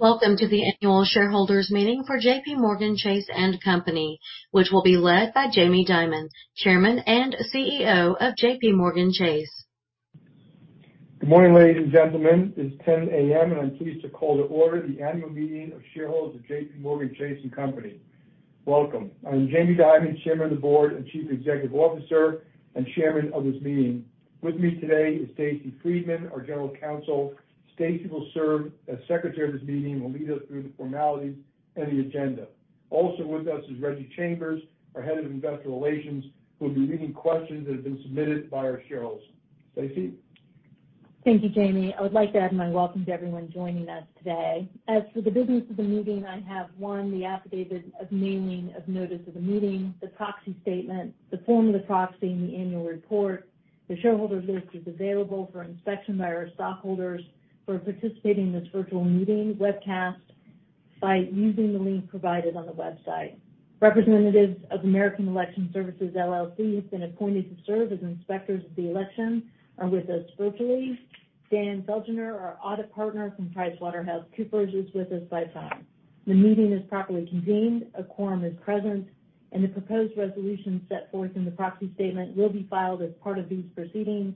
Welcome to the annual shareholders meeting for JPMorgan Chase & Co., which will be led by Jamie Dimon, Chairman and CEO of JPMorgan Chase. Good morning, ladies and gentlemen. Its 10:00 A.M., and Im pleased to call to order the annual meeting of shareholders of JPMorgan Chase & Co. Welcome. Im Jamie Dimon, Chairman of the Board and Chief Executive Officer, and chairman of this meeting. With me today is Stacey Friedman, our General Counsel. Stacy will serve as secretary of this meeting and will lead us through the formalities and the agenda. Also with us is Reggie Chambers, our Head of Investor Relations, wholl be reading questions that have been submitted by our shareholders. Stacy? Thank you, Jamie. I would like to add my welcome to everyone joining us today. As for the business of the meeting, I have, one, the affidavit of mailing of notice of the meeting, the proxy statement, the form of the proxy and the annual report. The shareholder list is available for inspection by our stockholders who are participating in this virtual meeting webcast by using the link provided on the website. Representatives of American Election Services, LLC, whos been appointed to serve as inspectors of the election, are with us virtually. Dan Felner, our audit partner from PricewaterhouseCoopers, is with us by phone. The meeting is properly convened, a quorum is present, and the proposed resolution set forth in the proxy statement will be filed as part of these proceedings.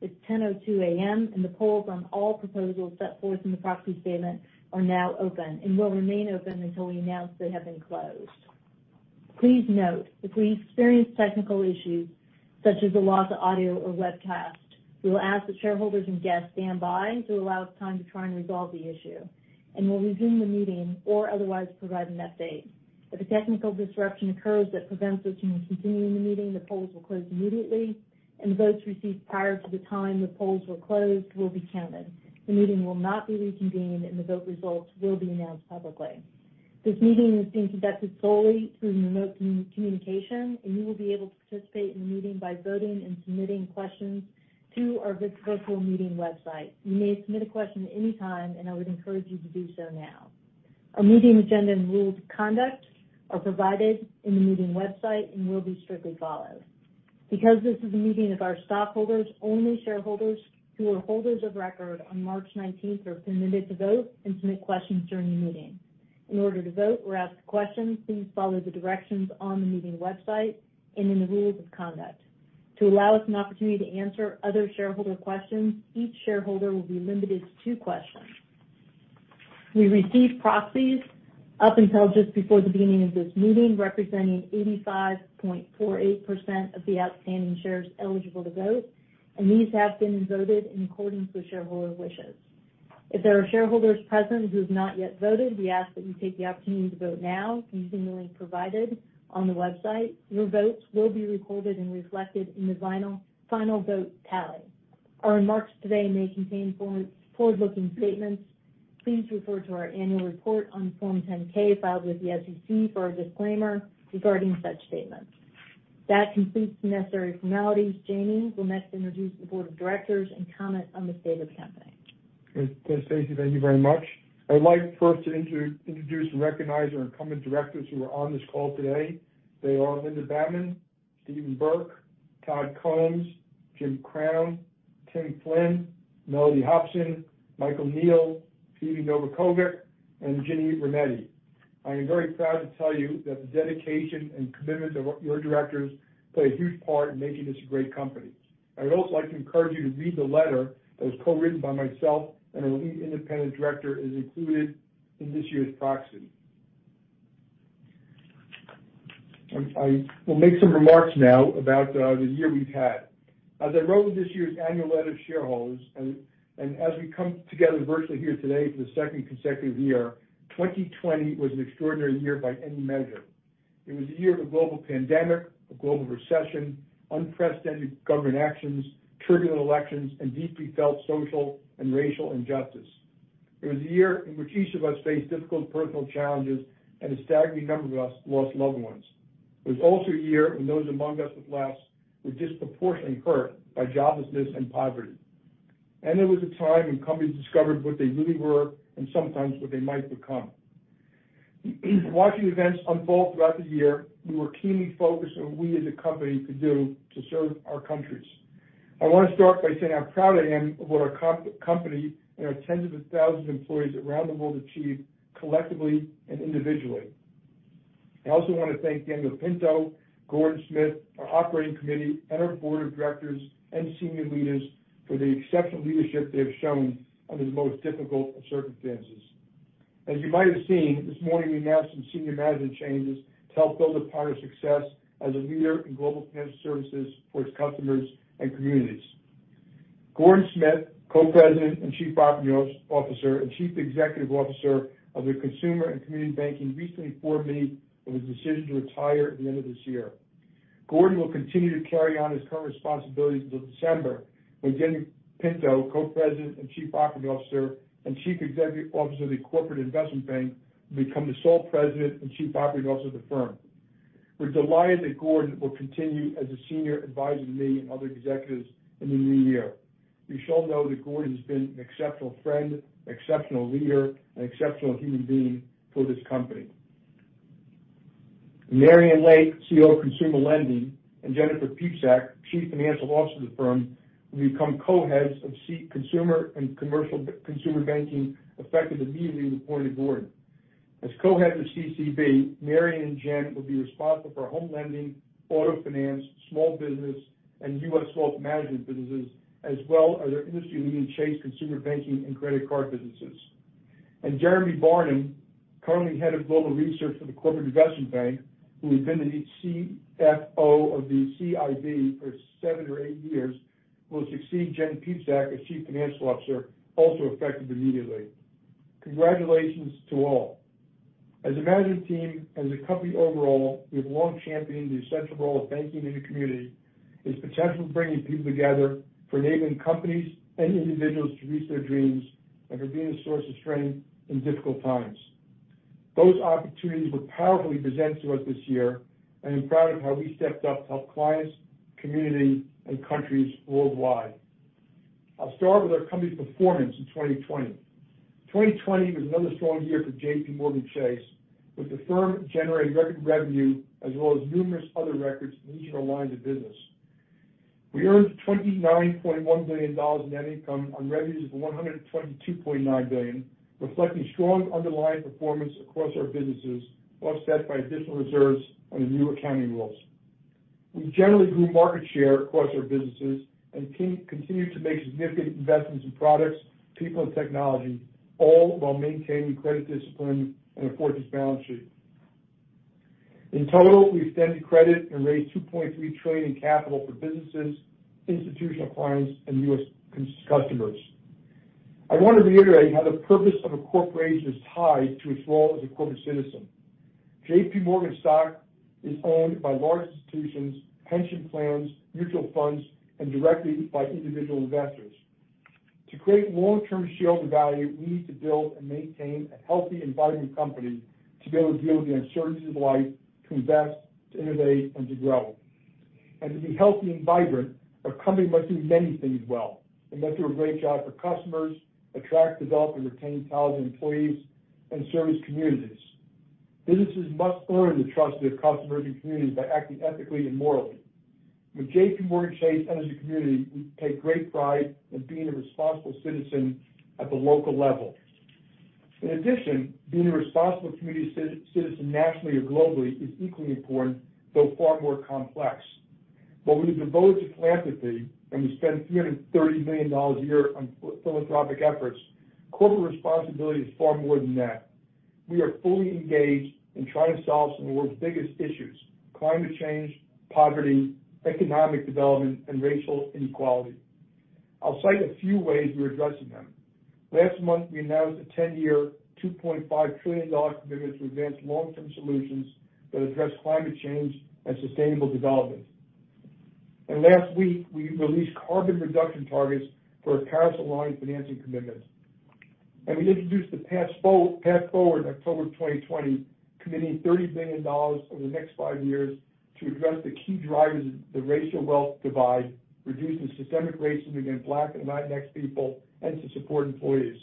Its 10:02 A.M. The polls on all proposals set forth in the proxy statement are now open and will remain open until we announce they have been closed. Please note, if we experience technical issues such as a loss of audio or webcast, we will ask that shareholders and guests stand by to allow us time to try and resolve the issue. Well resume the meeting or otherwise provide an update. If a technical disruption occurs that prevents us from continuing the meeting, the polls will close immediately. Votes received prior to the time the polls were closed will be counted. The meeting will not be reconvened. The vote results will be announced publicly. This meeting is being conducted solely through remote communication. You will be able to participate in the meeting by voting and submitting questions through our virtual meeting website. You may submit a question at any time, and I would encourage you to do so now. A meeting agenda and rules of conduct are provided in the meeting website and will be strictly followed. Because this is a meeting of our stockholders, only shareholders who are holders of record on March 19th are permitted to vote and submit questions during the meeting. In order to vote or ask questions, please follow the directions on the meeting website and in the rules of conduct. To allow us an opportunity to answer other shareholder questions, each shareholder will be limited to two questions. We received proxies up until just before the beginning of this meeting, representing 85.48% of the outstanding shares eligible to vote, and these have been voted in accordance with shareholder wishes. If there are shareholders present who have not yet voted, we ask that you take the opportunity to vote now using the link provided on the website. Your votes will be recorded and reflected in the final vote tally. Our remarks today may contain forward-looking statements. Please refer to our annual report on Form 10-K filed with the SEC for a disclaimer regarding such statements. That completes the necessary formalities. Jamie will next introduce the board of directors and comment on the state of the company. Okay, Stacey, thank you very much. Id like first to introduce and recognize our incumbent directors who are on this call today. They are Linda Bammann, Stephen Burke, Todd Combs, James Crown, Timothy Flynn, Mellody Hobson, Michael A. Neal, Phebe Novakovic, and Virginia M. Rometty. I am very proud to tell you that the dedication and commitment of your directors play a huge part in making this a great company. Id also like to encourage you to read the letter that was co-written by myself and our lead independent director, as included in this years proxy. I will make some remarks now about the year weve had. As I wrote in this years annual letter to shareholders, as we come together virtually here today for the second consecutive year, 2020 was an extraordinary year by any measure. It was a year of a global pandemic, a global recession, unprecedented government actions, turbulent elections, and deeply felt social and racial injustice. It was a year in which each of us faced difficult personal challenges, and a staggering number of us lost loved ones. It was also a year when those among us with less were disproportionately hurt by joblessness and poverty. It was a time when companies discovered what they really were and sometimes what they might become. Watching events unfold throughout the year, we were keenly focused on what we as a company could do to serve our countries. I want to start by saying how proud I am of what our company and our tens of thousands of employees around the world achieved collectively and individually. I also want to thank Daniel Pinto, Gordon Smith, our operating committee, and our board of directors and senior leaders for the exceptional leadership theyve shown under the most difficult of circumstances. As you might have seen, this morning we announced some senior management changes to help build upon our success as a leader in global financial services for its customers and communities. Gordon Smith, Co-President and Chief Operating Officer, and Chief Executive Officer of the Consumer & Community Banking, recently informed me of his decision to retire at the end of this year. Gordon will continue to carry on his current responsibilities until December, when Daniel Pinto, Co-President and Chief Operating Officer, and Chief Executive Officer of the Corporate & Investment Bank, will become the sole President and Chief Operating Officer of the firm. Were delighted that Gordon will continue as a Senior Advisor to me and other executives in the new year. We shall know that Gordon has been an exceptional friend, exceptional leader, and exceptional human being for this company. Marianne Lake, CEO of Consumer Lending, and Jennifer Piepszak, Chief Financial Officer of the firm, will become Co-Heads of Consumer & Community Banking, effective immediately, appointed by the board. As Co-Heads of CCB, Marianne and Jen will be responsible for home lending, auto finance, small business, and U.S. wealth management businesses, as well as our industry-leading Chase consumer banking and credit card businesses. Jeremy Barnum, currently Head of Global Research for the Corporate & Investment Bank, who has been the CFO of the CIB for seven or eight years, will succeed Jen Piepszak as Chief Financial Officer, also effective immediately. Congratulations to all. As a management team and as a company overall, we have long championed the essential role of banking in your community, its potential for bringing people together, for enabling companies and individuals to reach their dreams, and for being a source of strength in difficult times. Both opportunities were powerfully presented to us this year. Im proud of how we stepped up to help clients, communities, and countries worldwide. I'll start with our companys performance in 2020. 2020 was another strong year for JPMorgan Chase, with the firm generating record revenue as well as numerous other records in each of our lines of business. We earned $29.1 billion in net income on revenues of $122.9 billion, reflecting strong underlying performance across our businesses, offset by additional reserves under new accounting rules. We generally grew market share across our businesses and continued to make significant investments in products, people, and technology, all while maintaining credit discipline and a fortress balance sheet. In total, we extended credit and raised $2.3 trillion in capital for businesses, institutional clients, and U.S. customers. I want to reiterate how the purpose of a corporation is tied to its role as a corporate citizen. JPMorgan stock is owned by large institutions, pension plans, mutual funds, and directly by individual investors. To create long-term shareholder value, we need to build and maintain a healthy and vibrant company to be able to deal with the uncertainties of life, to invest, to innovate, and to grow. To be healthy and vibrant, our company must do many things well and do a great job for customers, attract, develop, and retain talented employees, and service communities. Businesses must earn the trust of their customers and communities by acting ethically and morally. With JPMorgan Chase and as a community, we take great pride in being a responsible citizen at the local level. In addition, being a responsible community citizen nationally or globally is equally important, though far more complex. While we have devoted to philanthropy and we spend $330 million a year on philanthropic efforts, corporate responsibility is far more than that. We are fully engaged in trying to solve some of the worlds biggest issues: climate change, poverty, economic development, and racial inequality. I'll cite a few ways were addressing them. Last month, we announced a 10-year, $2.5 trillion commitment to advance long-term solutions that address climate change and sustainable development. Last week, we released carbon reduction targets for our Paris-aligned financing commitments. We introduced the Path Forward in October 2020, committing $30 billion over the next five years to address the key drivers of the racial wealth divide, reducing systemic racism against Black and Latinx people, and to support employees.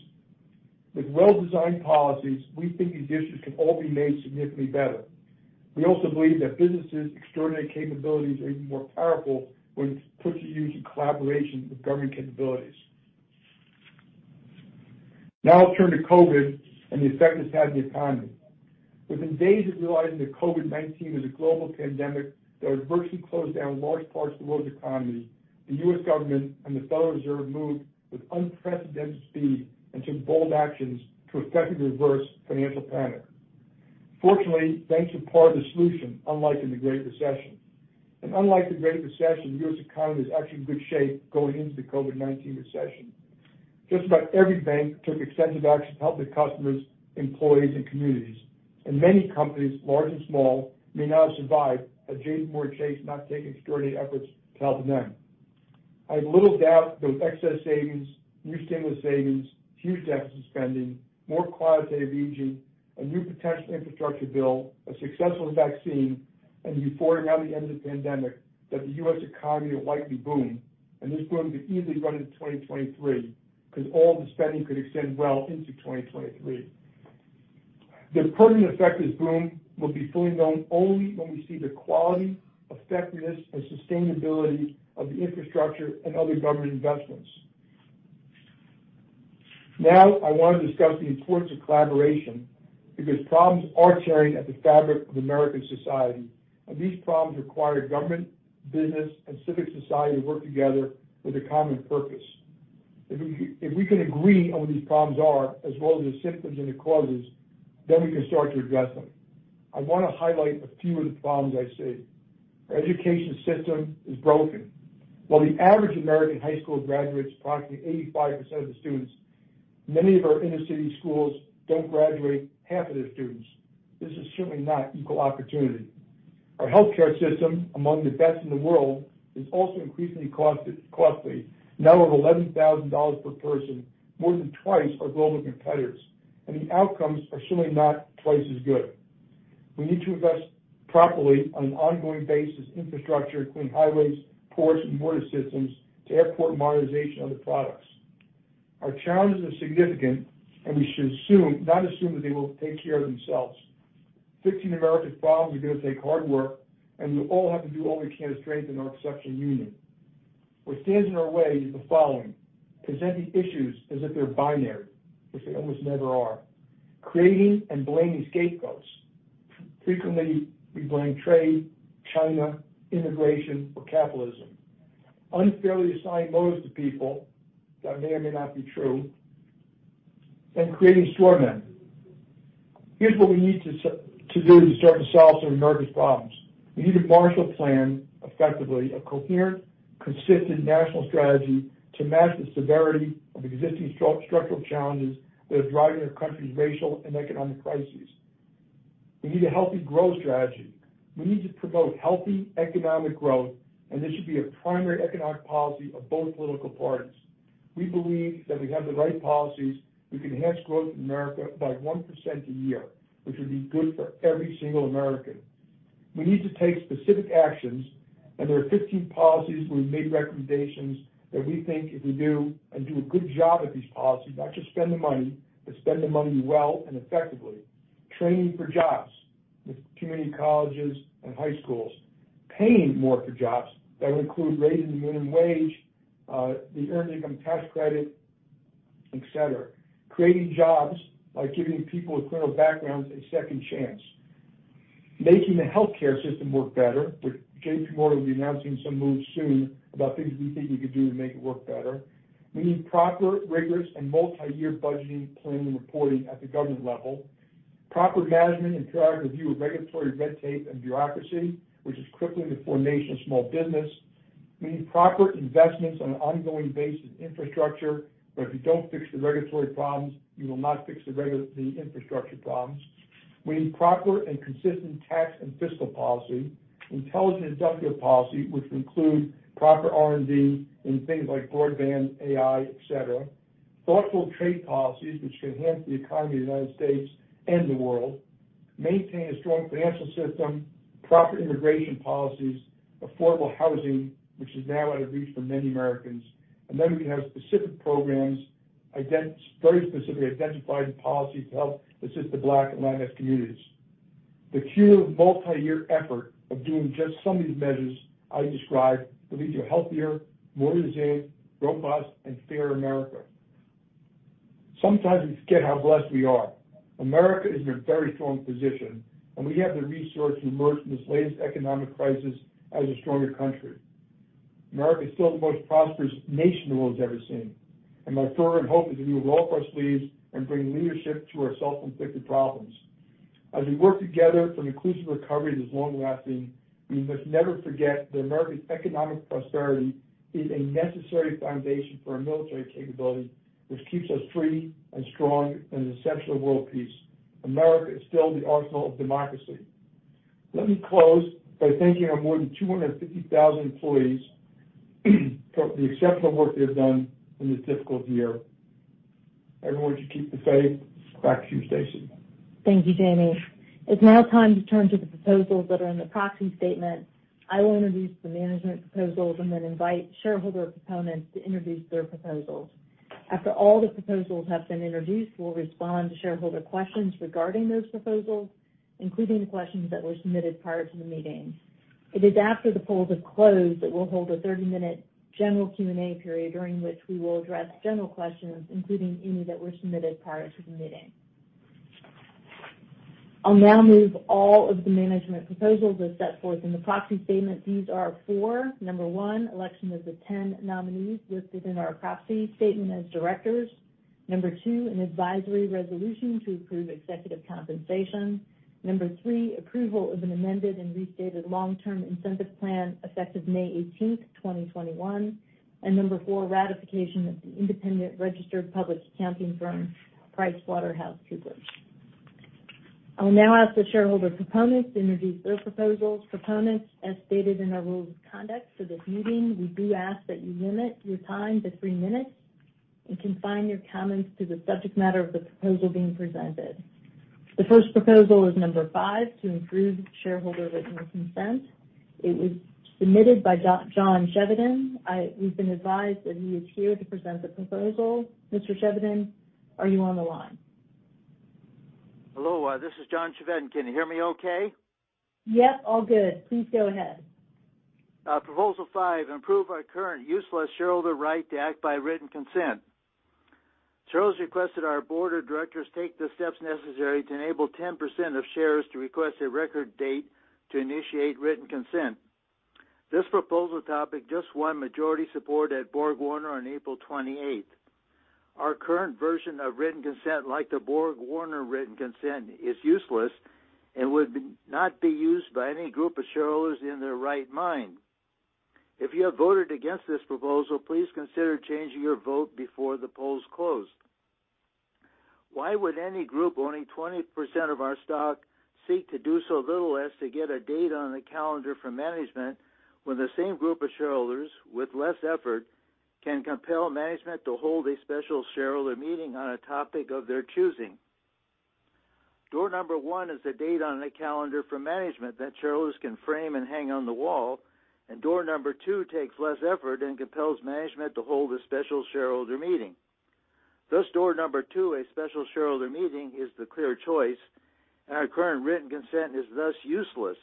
With well-designed policies, we think these issues can all be made significantly better. We also believe that businesses extraordinary capabilities are even more powerful when put to use in collaboration with government capabilities. Now I'll turn to COVID and the effect its had on the economy. Within days of realizing that COVID-19 is a global pandemic that would virtually close down large parts of the world economy, the U.S. government and the Federal Reserve moved with unprecedented speed and took bold actions to effectively reverse financial panic. Fortunately, banks are part of the solution, unlike in the Great Recession. Unlike the Great Recession, the U.S. economy was actually in good shape going into the COVID-19 recession. Just about every bank took extensive action to help their customers, employees, and communities. Many companies, large and small, may now survive had JPMorgan Chase not taken extraordinary efforts to help them then. I have little doubt that with excess savings, new stimulus savings, huge deficit spending, more quantitative easing, a new potential infrastructure bill, a successful vaccine, and before or by the end of the pandemic, that the U.S. economy will likely boom, and this boom could easily run into 2023, because all the spending could extend well into 2023. The permanent effect of this boom will be fully known only when we see the quality, effectiveness, and sustainability of the infrastructure and other government investments. Now, I want to discuss the importance of collaboration, because problems are tearing at the fabric of American society, and these problems require government, business, and civic society to work together with a common purpose. If we can agree on what these problems are, as well as their symptoms and the causes, then we can start to address them. I want to highlight a few of the problems I see. Our education system is broken. While the average American high school graduates approximately 85% of students, many of our inner-city schools dont graduate half of their students. This is certainly not equal opportunity. Our healthcare system, among the best in the world, is also increasingly costly. Now at $11,000 per person, more than twice our global competitors, and the outcomes are certainly not twice as good. We need to invest properly on an ongoing basis in infrastructure, including highways, ports, and water systems, to airport modernization, and other products. Our challenges are significant, and we should not assume that they will take care of themselves. Fixing Americas problems are going to take hard work, and we all have to do what we can to strengthen our exceptional union. What stands in our way is the following. Presenting issues as if theyre binary, which they almost never are. Creating and blaming scapegoats. Frequently, we blame trade, China, immigration, or capitalism. Unfairly assigning motives to people that may or may not be true, and creating straw men. Heres what we need to do to start to solve some of Americas problems. We need a Marshall Plan, effectively, a coherent, consistent national strategy to match the severity of existing structural challenges that are driving our countrys racial and economic crises. We need a healthy growth strategy. We need to promote healthy economic growth, and this should be a primary economic policy of both political parties. We believe that if we have the right policies, we can enhance growth in America by 1% a year, which would be good for every single American. We need to take specific actions, and there are 15 policies where we've made recommendations that we think if we do and do a good job at these policies, not just spend the money, but spend the money well and effectively. Training for jobs with community colleges and high schools. Paying more for jobs that include raising the minimum wage, the earned income tax credit, et cetera. Creating jobs by giving people with criminal backgrounds a second chance. Making the healthcare system work better, which JPMorgan will be announcing some moves soon about things we think we can do to make it work better. We need proper, rigorous, and multi-year budgeting, planning, and reporting at the government level. Proper management and proactive view of regulatory red tape and bureaucracy, which is crippling to formation of small business. We need proper investments on an ongoing basis in infrastructure, but if you dont fix the regulatory problems, you will not fix the infrastructure problems. We need proper and consistent tax and fiscal policy, intelligent industrial policy, which includes proper R&D in things like broadband, AI, et cetera. Thoughtful trade policies which enhance the economy of the United States and the world. Maintain a strong financial system, proper immigration policies, affordable housing, which is now out of reach for many Americans, and then we have specific programs, very specifically identifying policies to help assist the Black and Latinx communities. The cumulative multi-year effort of doing just some of these measures I described will lead to a healthier, more resilient, robust, and fairer America. Sometimes we forget how blessed we are. America is in a very strong position, and we have the resources to emerge from this latest economic crisis as a stronger country. America is still the most prosperous nation the worlds ever seen, and my fervent hope is that we roll up our sleeves and bring leadership to our self-inflicted problems. As we work together for an inclusive recovery that is long-lasting, we must never forget that Americas economic prosperity is a necessary foundation for our military capability, which keeps us free and strong and is essential to world peace. America is still the arsenal of democracy. Let me close by thanking our more than 250,000 employees for the exceptional work theyve done in this difficult year. Everyone should keep the faith. Back to you, Stacey. Thank you, Jamie. Its now time to turn to the proposals that are in the proxy statement. I'll introduce the management proposals and then invite shareholder proponents to introduce their proposals. After all the proposals have been introduced, well respond to shareholder questions regarding those proposals, including the questions that were submitted prior to the meeting. It is after the polls are closed that well hold a 30-minute general Q&A period during which we will address general questions, including any that were submitted prior to the meeting. I'll now move all of the management proposals as set forth in the proxy statement. These are for, Number one, election of the 10 nominees listed in our proxy statement as directors. Number two, an advisory resolution to approve executive compensation. Number three, approval of an amended and restated long-term incentive plan effective May 18th, 2021. Number four, ratification of the independent registered public accounting firm, PricewaterhouseCoopers. I will now ask the shareholder proponents to introduce their proposals. Proponents, as stated in our rules of conduct for this meeting, we do ask that you limit your time to three minutes and confine your comments to the subject matter of the proposal being presented. The first proposal is number five to improve shareholder written consent. It was submitted by John Chevedden. We've been advised that he is here to present the proposal. Mr. Chevedden, are you on the line? Hello, this is John Chevedden. Can you hear me okay? Yep, all good. Please go ahead. Proposal five, improve our current useless shareholder right to act by written consent. Shareholders requested our board of directors take the steps necessary to enable 10% of shares to request a record date to initiate written consent. This proposal topic just won majority support at BorgWarner on April 28th. Our current version of written consent, like the BorgWarner written consent, is useless and would not be used by any group of shareholders in their right mind. If you have voted against this proposal, please consider changing your vote before the polls close. Why would any group owning 20% of our stock seek to do so little as to get a date on the calendar for management when the same group of shareholders, with less effort, can compel management to hold a special shareholder meeting on a topic of their choosing? Door number one is the date on the calendar for management that shareholders can frame and hang on the wall. Door number two takes less effort and compels management to hold a special shareholder meeting. Thus door number two, a special shareholder meeting, is the clear choice. Our current written consent is thus useless.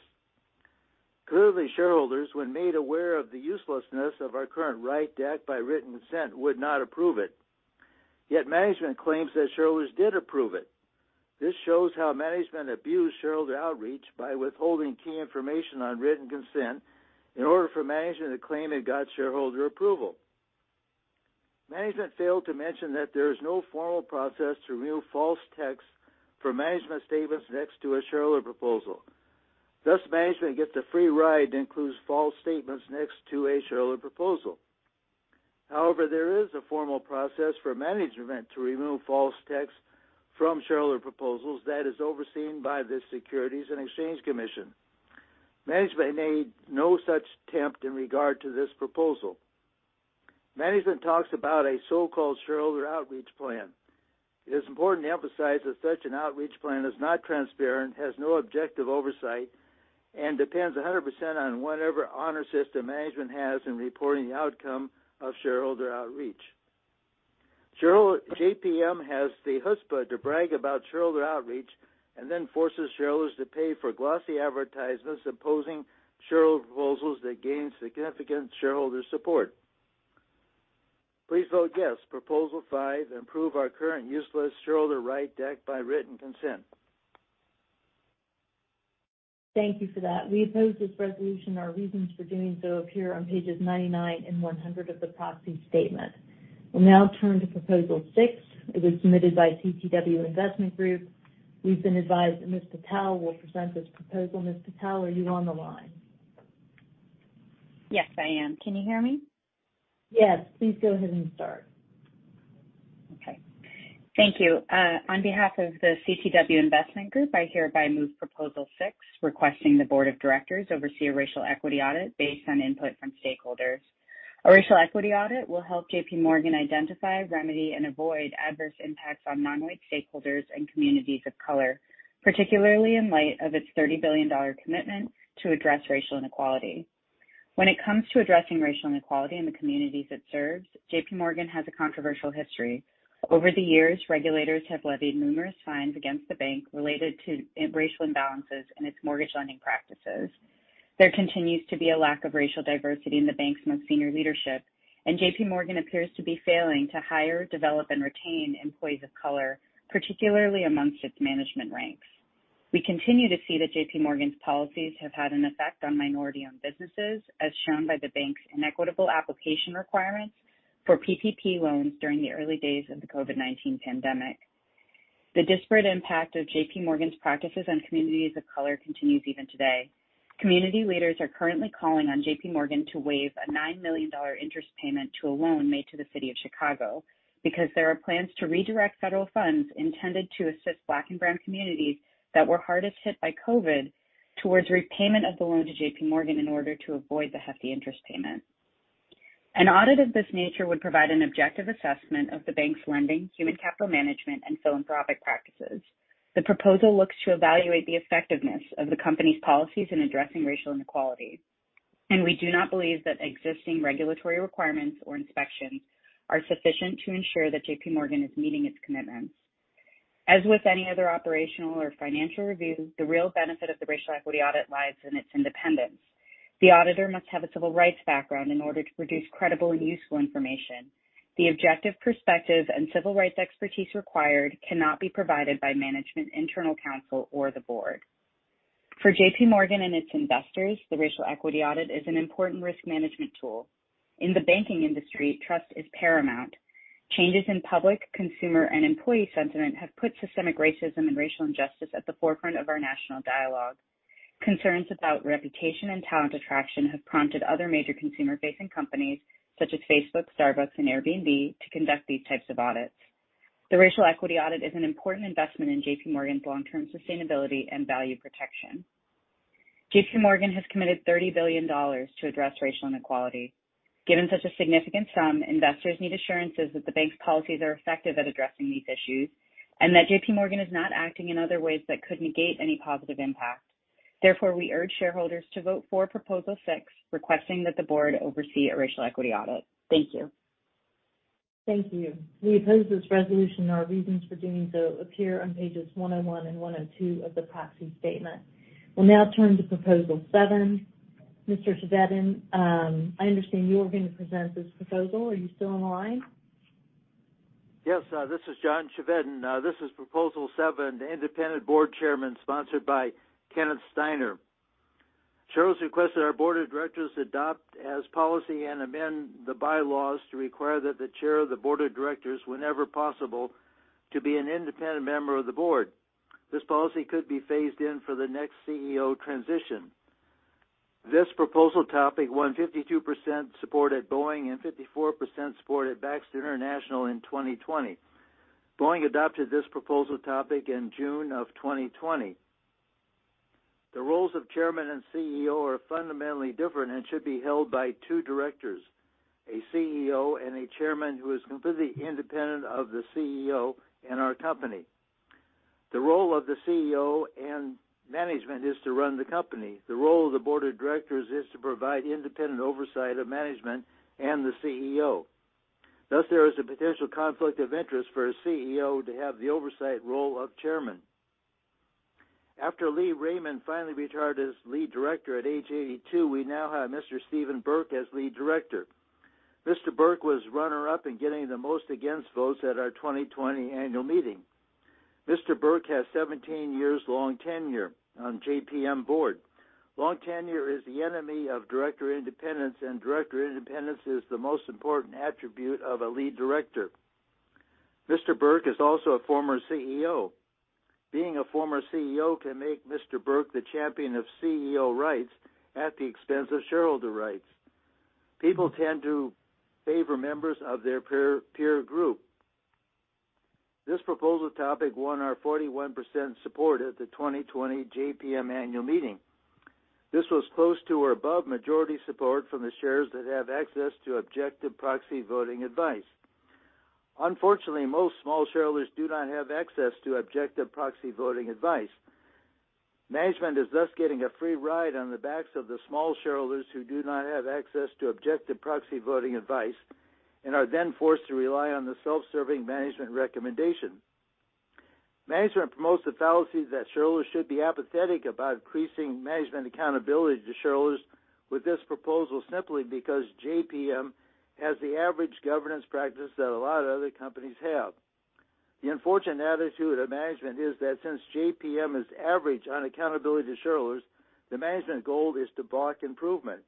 Clearly, shareholders, when made aware of the uselessness of our current right deck by written consent, would not approve it. Yet management claims that shareholders did approve it. This shows how management abused shareholder outreach by withholding key information on written consent in order for management to claim it got shareholder approval. Management failed to mention that there is no formal process to remove false text from management statements next to a shareholder proposal. Thus, management gets a free ride and includes false statements next to a shareholder proposal. However, there is a formal process for management to remove false text from shareholder proposals that is overseen by the Securities and Exchange Commission. Management made no such attempt in regard to this proposal. Management talks about a so-called shareholder outreach plan. It is important to emphasize that such an outreach plan is not transparent, has no objective oversight, and depends 100% on whatever honor system management has in reporting the outcome of shareholder outreach. JPM has the chutzpah to brag about shareholder outreach and then forces shareholders to pay for glossy advertisements opposing shareholder proposals that gain significant shareholder support. Please vote yes, proposal five, and improve our current useless shareholder right deck by written consent. Thank you for that. We oppose this resolution. Our reasons for doing so appear on pages 99 and 100 of the proxy statement. Well now turn to proposal six. It was submitted by SOC Investment Group. Weve been advised Ms. Patel will present this proposal. Ms. Patel, are you on the line? Yes, I am. Can you hear me? Yes. Please go ahead and start. Okay. Thank you. On behalf of the CTW Investment Group, I hereby move proposal six, requesting the board of directors oversee a racial equity audit based on input from stakeholders. A racial equity audit will help JPMorgan identify, remedy, and avoid adverse impacts on minority stakeholders and communities of color, particularly in light of its $30 billion commitment to address racial inequality. When it comes to addressing racial inequality in the communities it serves, JPMorgan has a controversial history. Over the years, regulators have levied numerous fines against the bank related to racial imbalances in its mortgage lending practices. JPMorgan appears to be failing to hire, develop, and retain employees of color, particularly amongst its management ranks. We continue to see that JPMorgans policies have had an effect on minority-owned businesses, as shown by the banks inequitable application requirements for PPP loans during the early days of the COVID-19 pandemic. The disparate impact of JPMorgans practices on communities of color continues even today. Community leaders are currently calling on JPMorgan to waive a $9 million interest payment to a loan made to the City of Chicago because there are plans to redirect federal funds intended to assist Black and brown communities that were hardest hit by COVID towards repayment of the loan to JPMorgan in order to avoid the hefty interest payment. An audit of this nature would provide an objective assessment of the banks lending, human capital management, and philanthropic practices. The proposal looks to evaluate the effectiveness of the company's policies in addressing racial inequality, and we do not believe that existing regulatory requirements or inspections are sufficient to ensure that JPMorgan is meeting its commitments. As with any other operational or financial review, the real benefit of the racial equity audit lies in its independence. The auditor must have a civil rights background in order to produce credible and useful information. The objective perspective and civil rights expertise required cannot be provided by management, internal counsel, or the board. For JPMorgan and its investors, the racial equity audit is an important risk management tool. In the banking industry, trust is paramount. Changes in public, consumer, and employee sentiment have put systemic racism and racial injustice at the forefront of our national dialogue. Concerns about reputation and talent attraction have prompted other major consumer-facing companies such as Facebook, Starbucks, and Airbnb to conduct these types of audits. The racial equity audit is an important investment in JPMorgans long-term sustainability and value protection. JPMorgan has committed $30 billion to address racial inequality. Given such a significant sum, investors need assurances that the banks policies are effective at addressing these issues and that JPMorgan is not acting in other ways that could negate any positive impact. Therefore, we urge shareholders to vote for proposal 6, requesting that the board oversee a racial equity audit. Thank you. Thank you. We oppose this resolution. Our reasons for doing so appear on pages one and one, and one and two of the proxy statement. Well now turn to proposal seven. Mr. Chevedden, I understand you are going to present this proposal. Are you still on the line? Yes. This is John Chevedden. This is proposal seven, independent board chairman, sponsored by Kenneth Steiner. Shareholders requested our board of directors adopt as policy and amend the bylaws to require that the chair of the board of directors, whenever possible, to be an independent member of the board. This policy could be phased in for the next CEO transition. This proposal topic won 52% support at Boeing and 54% support at Baxter International in 2020. Boeing adopted this proposal topic in June of 2020. The roles of chairman and CEO are fundamentally different and should be held by two directors, a CEO and a chairman who is completely independent of the CEO and our company. The role of the CEO and management is to run the company. The role of the board of directors is to provide independent oversight of management and the CEO. There is a potential conflict of interest for a CEO to have the oversight role of chairman. After Lee Raymond finally retired as lead director at age 82, we now have Mr. Stephen Burke as lead director. Mr. Burke was runner-up in getting the most against votes at our 2020 annual meeting. Mr. Burke has 17 years long tenure on JPM board. Long tenure is the enemy of director independence, director independence is the most important attribute of a lead director. Mr. Burke is also a former CEO. Being a former CEO can make Mr. Burke the champion of CEO rights at the expense of shareholder rights. People tend to favor members of their peer group. This proposal topic won our 41% support at the 2020 JPM annual meeting. This was close to or above majority support from the shares that have access to objective proxy voting advice. Unfortunately, most small shareholders do not have access to objective proxy voting advice. Management is thus getting a free ride on the backs of the small shareholders who do not have access to objective proxy voting advice and are then forced to rely on the self-serving management recommendation. Management promotes the fallacy that shareholders should be apathetic about increasing management accountability to shareholders with this proposal simply because JPM has the average governance practice that a lot of other companies have. The unfortunate attitude of management is that since JPM is average on accountability to shareholders, the management goal is to block improvement.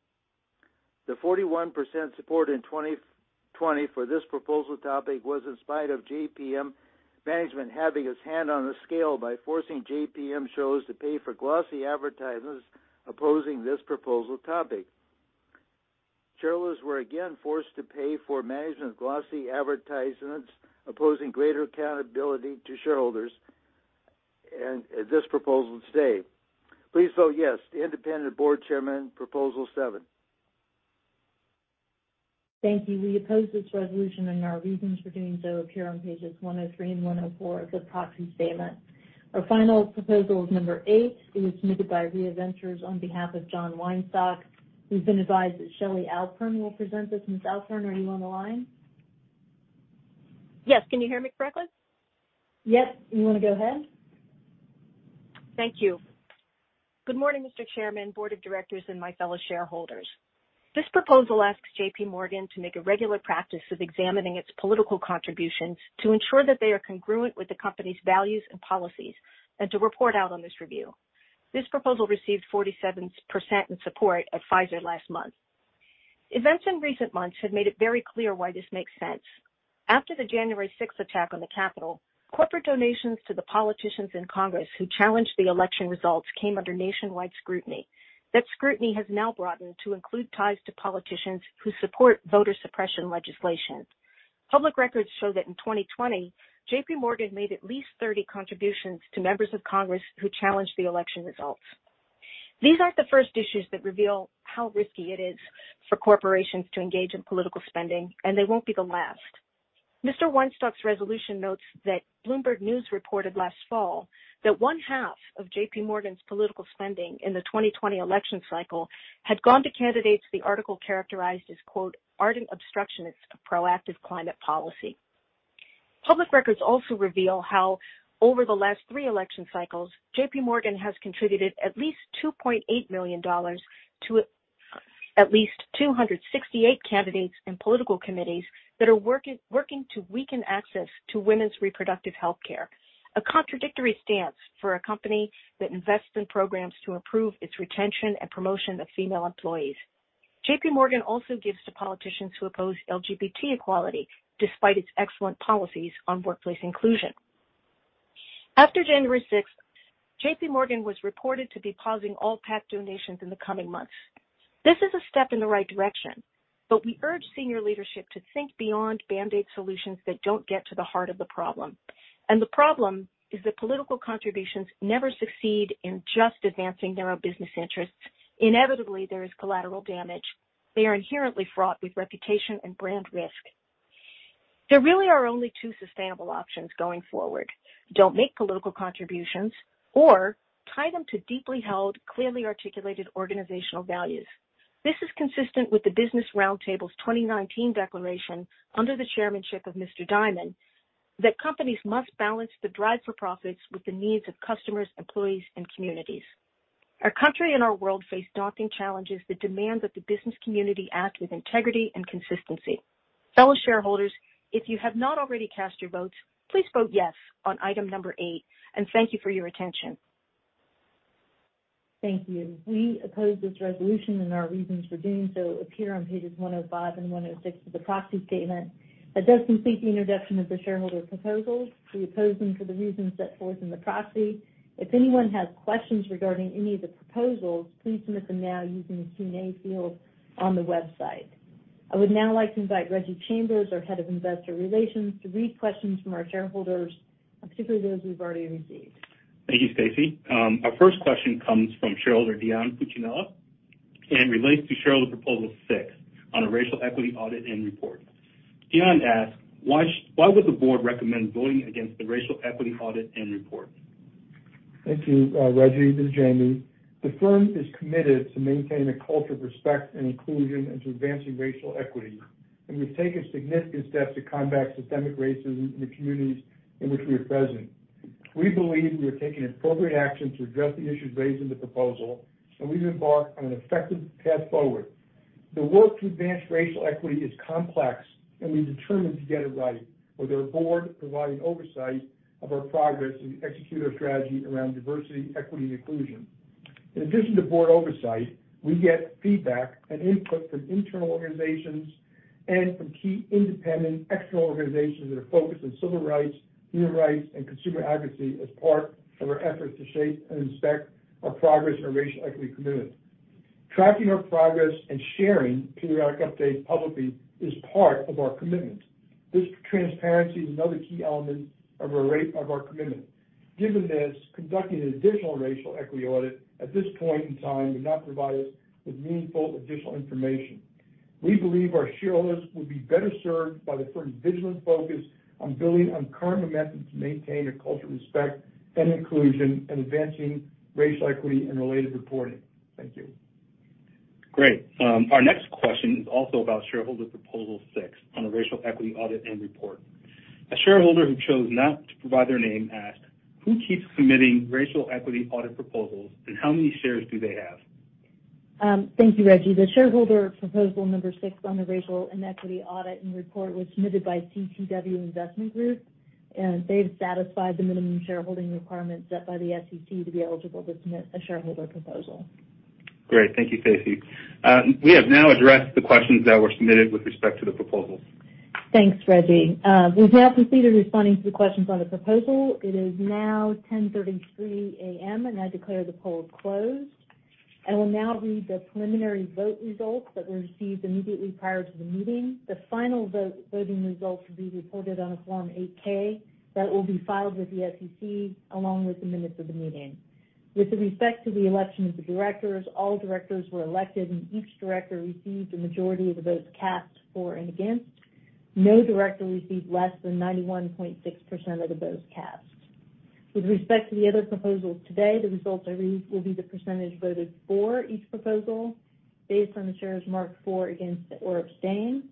The 41% support in 2020 for this proposal topic was in spite of JPM management having its hand on the scale by forcing JPM shareholders to pay for glossy advertisements opposing this proposal topic. Shareholders were again forced to pay for management glossy advertisements opposing greater accountability to shareholders at this proposal today. Please vote yes to independent board chairman, proposal seven. Thank you. We oppose this resolution and our reasons for doing so appear on pages 103 and 104 of the proxy statement. Our final proposal is number eight. It was submitted by ReVentures on behalf of Jonathan Weinstock, whos been advised that Shelly Alcorn will present this. Miss Alcorn, are you on the line? Yes. Can you hear me, Franklin? Yes. You want to go ahead? Thank you. Good morning, Mr. Chairman, board of directors, and my fellow shareholders. This proposal asks JPMorgan to make a regular practice of examining its political contributions to ensure that they are congruent with the company's values and policies, and to report out on this review. This proposal received 47% in support at Pfizer last month. Events in recent months have made it very clear why this makes sense. After the January 6th attack on the Capitol, corporate donations to the politicians in Congress who challenged the election results came under nationwide scrutiny. That scrutiny has now broadened to include ties to politicians who support voter suppression legislation. Public records show that in 2020, JPMorgan made at least 30 contributions to members of Congress who challenged the election results. These arent the first issues that reveal how risky it is for corporations to engage in political spending. They wont be the last. Mr. Weinstocks resolution notes that Bloomberg News reported last fall that one half of JPMorgans political spending in the 2020 election cycle had gone to candidates the article characterized as, quote, Ardent obstructionists of proactive climate policy. Public records also reveal how over the last three election cycles, JPMorgan has contributed at least $2.8 million to at least 268 candidates and political committees that are working to weaken access to womens reproductive healthcare, a contradictory stance for a company that invests in programs to improve its retention and promotion of female employees. JPMorgan also gives to politicians who oppose LGBT equality, despite its excellent policies on workplace inclusion. After January 6th, JPMorgan was reported to be pausing all PAC donations in the coming months. This is a step in the right direction, we urge senior leadership to think beyond band-aid solutions that don't get to the heart of the problem. The problem is that political contributions never succeed in just advancing narrow business interests. Inevitably, there is collateral damage. They are inherently fraught with reputation and brand risk. There really are only two sustainable options going forward. Don't make political contributions or tie them to deeply held, clearly articulated organizational values. This is consistent with the Business Roundtables 2019 declaration under the chairmanship of Mr. Dimon, that companies must balance the drive for profits with the needs of customers, employees, and communities. Our country and our world face daunting challenges that demand that the business community act with integrity and consistency. Fellow shareholders, if you have not already cast your votes, please vote yes on item number eight, and thank you for your attention. Thank you. We oppose this resolution. Our reasons for doing so appear on pages 105 and 106 of the proxy statement. That does complete the introduction of the shareholder proposals. We oppose them for the reasons set forth in the proxy. If anyone has questions regarding any of the proposals, please submit them now using the Q&A field on the website. I would now like to invite Reggie Chambers, our head of investor relations, to read questions from our shareholders, particularly those we've already received. Thank you, Stacey. Our first question comes from shareholder Dion Cucimella and relates to shareholder proposal six on a racial equity audit and report. Dion asks, Why would the board recommend voting against the racial equity audit and report? Thank you, Reggie and Jamie. The firm is committed to maintaining a culture of respect and inclusion and to advancing racial equity, and we've taken significant steps to combat systemic racism in the communities in which we are present. We believe we are taking appropriate action to address the issues raised in the proposal, and we've embarked on an effective Path Forward. The work to advance racial equity is complex, and we are determined to get it right with our board providing oversight of our progress as we execute our strategy around diversity, equity, and inclusion. In addition to board oversight, we get feedback and input from internal organizations and from key independent external organizations that are focused on civil rights, human rights, and consumer advocacy as part of our efforts to shape and inspect our progress on racial equity commitments. Tracking our progress and sharing periodic updates publicly is part of our commitment. This transparency is another key element of our commitment. Given this, conducting an additional racial equity audit at this point in time would not provide us with meaningful additional information. We believe our shareholders would be better served by the firms vigilant focus on building on current amendments to maintain a culture of respect and inclusion and advancing racial equity and related reporting. Thank you. Great. Our next question is also about shareholder proposal six on a racial equity audit and report. A shareholder who chose not to provide their name asked, Who keeps submitting racial equity audit proposals, and how many shares do they have? Thank you, Reggie. The shareholder proposal number six on the racial and equity audit and report was submitted by CTW Investment Group, and they've satisfied the minimum shareholding requirements set by the SEC to be eligible to submit a shareholder proposal. Great. Thank you, Stacey. We have now addressed the questions that were submitted with respect to the proposals. Thanks, Reggie. With that completed, responding to questions on a proposal, it is now 10:33 A.M. I declare the poll closed. I will now read the preliminary vote results that were received immediately prior to the meeting. The final voting results will be reported on a Form 8-K that will be filed with the SEC, along with the minutes of the meeting. With respect to the election of the directors, all directors were elected. Each director received a majority of the votes cast for and against. No director received less than 91.6% of the votes cast. With respect to the other proposals today, the results I read will be the percentage voted for each proposal based on the shares marked for, against, or abstain.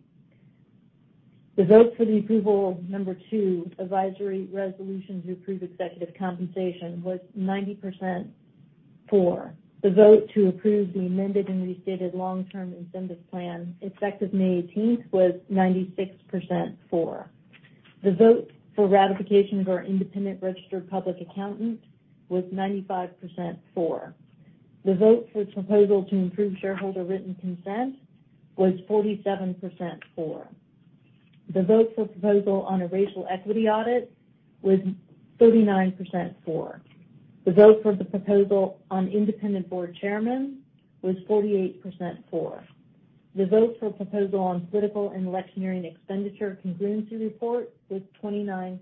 The vote for the approval of number two, advisory resolution to approve executive compensation, was 90% for. The vote to approve the amended and restated long-term incentive plan effective May 18th was 96% for. The vote for ratification of our independent registered public accountant was 95% for. The vote for proposal to improve shareholder written consent was 47% for. The vote for proposal on a racial equity audit was 39% for. The vote for the proposal on independent board chairman was 48% for. The vote for proposal on political and electioneering expenditure contingency report was 29.6%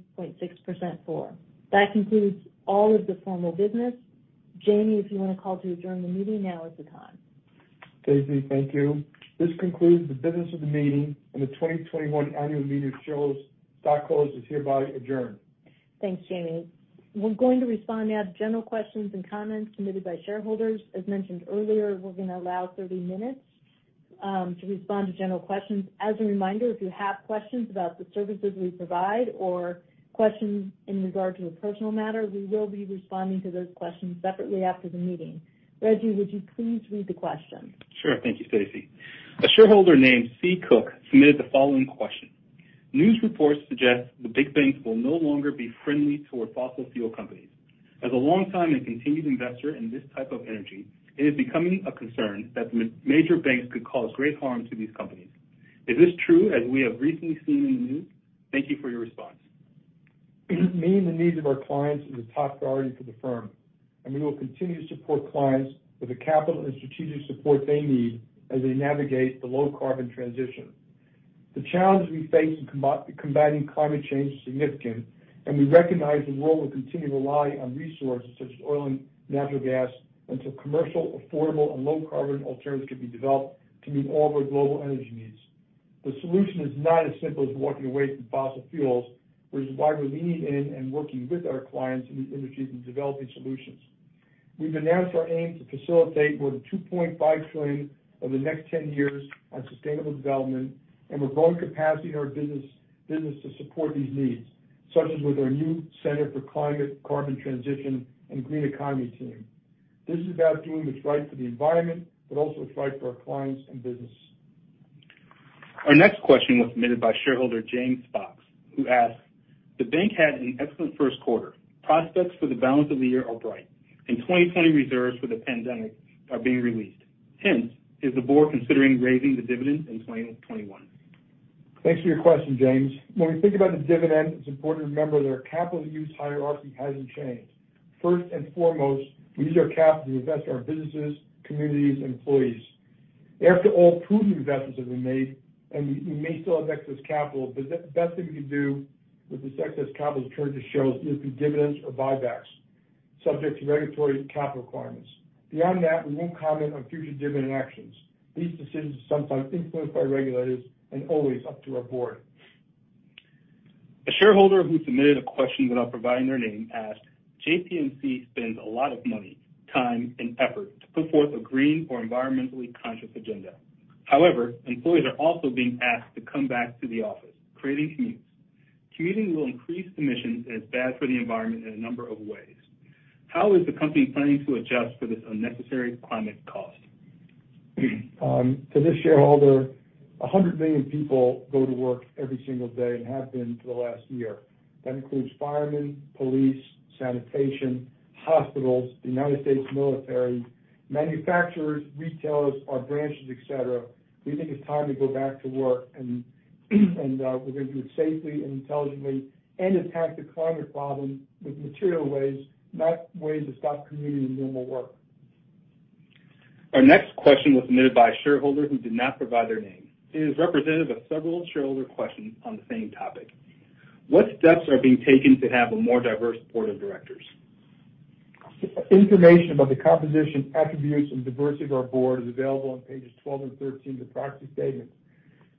for. That concludes all of the formal business. Jamie, if you want to call to adjourn the meeting, now is the time. Stacey, thank you. This concludes the business of the meeting, and the 2021 annual meeting of shareholders is hereby adjourned. Thanks, Jamie. Were going to respond now to general questions and comments submitted by shareholders. As mentioned earlier, were going to allow 30 minutes to respond to general questions. As a reminder, if you have questions about the services we provide or questions in regard to a personal matter, we will be responding to those questions separately after the meeting. Reggie, would you please read the questions? Sure. Thank you, Stacey. A shareholder named C. Cook submitted the following question: News reports suggest that the big banks will no longer be friendly toward fossil fuel companies. As a long time and continued investor in this type of energy, it is becoming a concern that major banks could cause great harm to these companies. Is this true, as we have recently seen in the news? Thank you for your response. Meeting the needs of our clients is a top priority for the firm, and we will continue to support clients with the capital and strategic support they need as they navigate the low-carbon transition. The challenges we face in combating climate change are significant, and we recognize the world will continue to rely on resources such as oil and natural gas until commercial, affordable, and low-carbon alternatives can be developed to meet all of our global energy needs. The solution is not as simple as walking away from fossil fuels, which is why we lean in and working with our clients in these industries in developing solutions. Weve announced our aim to facilitate more than $2.5 trillion over the next 10 years on sustainable development. Were growing capacity in our business to support these needs, such as with our new Center for Climate, Carbon Transition, and Green Economy team. This is about doing whats right for the environment, but also whats right for our clients and business. Our next question was submitted by shareholder James Fox, who asks, The bank had an excellent first quarter. Prospects for the balance of the year are bright, and 2020 reserves for the pandemic are being released. Hence, is the board considering raising the dividend in 2021? Thanks for your question, James. When we think about the dividend, its important to remember that our capital use hierarchy hasnt changed. First and foremost, we use our capital to invest in our businesses, communities, and employees. After all prudent investments have been made, and we may still have excess capital, but the best thing we can do with this excess capital to return to shareholders is through dividends or buybacks, subject to regulatory capital requirements. Beyond that, we wont comment on future dividend actions. These decisions are sometimes influenced by regulators and always up to our board. A shareholder who submitted a question without providing their name asked, JPMC spends a lot of money, time, and effort to put forth a green or environmentally conscious agenda. However, employees are also being asked to come back to the office, creating commutes. Commuting will increase emissions and is bad for the environment in a number of ways. How is the company planning to adjust for this unnecessary climate cost? To this shareholder, 100 million people go to work every single day and have been for the last year. That includes firemen, police, sanitation, hospitals, the U.S. military, manufacturers, retailers, our branches, et cetera. We think its time to go back to work, and we think we can do it safely, intelligently, and attack the climate problem with material ways, not ways to stop commuting and normal work. Our next question was submitted by a shareholder who did not provide their name. It is representative of several shareholder questions on the same topic. What steps are being taken to have a more diverse board of directors? Information about the composition, attributes, and diversity of our board is available on pages 12 and 13 of the proxy statement.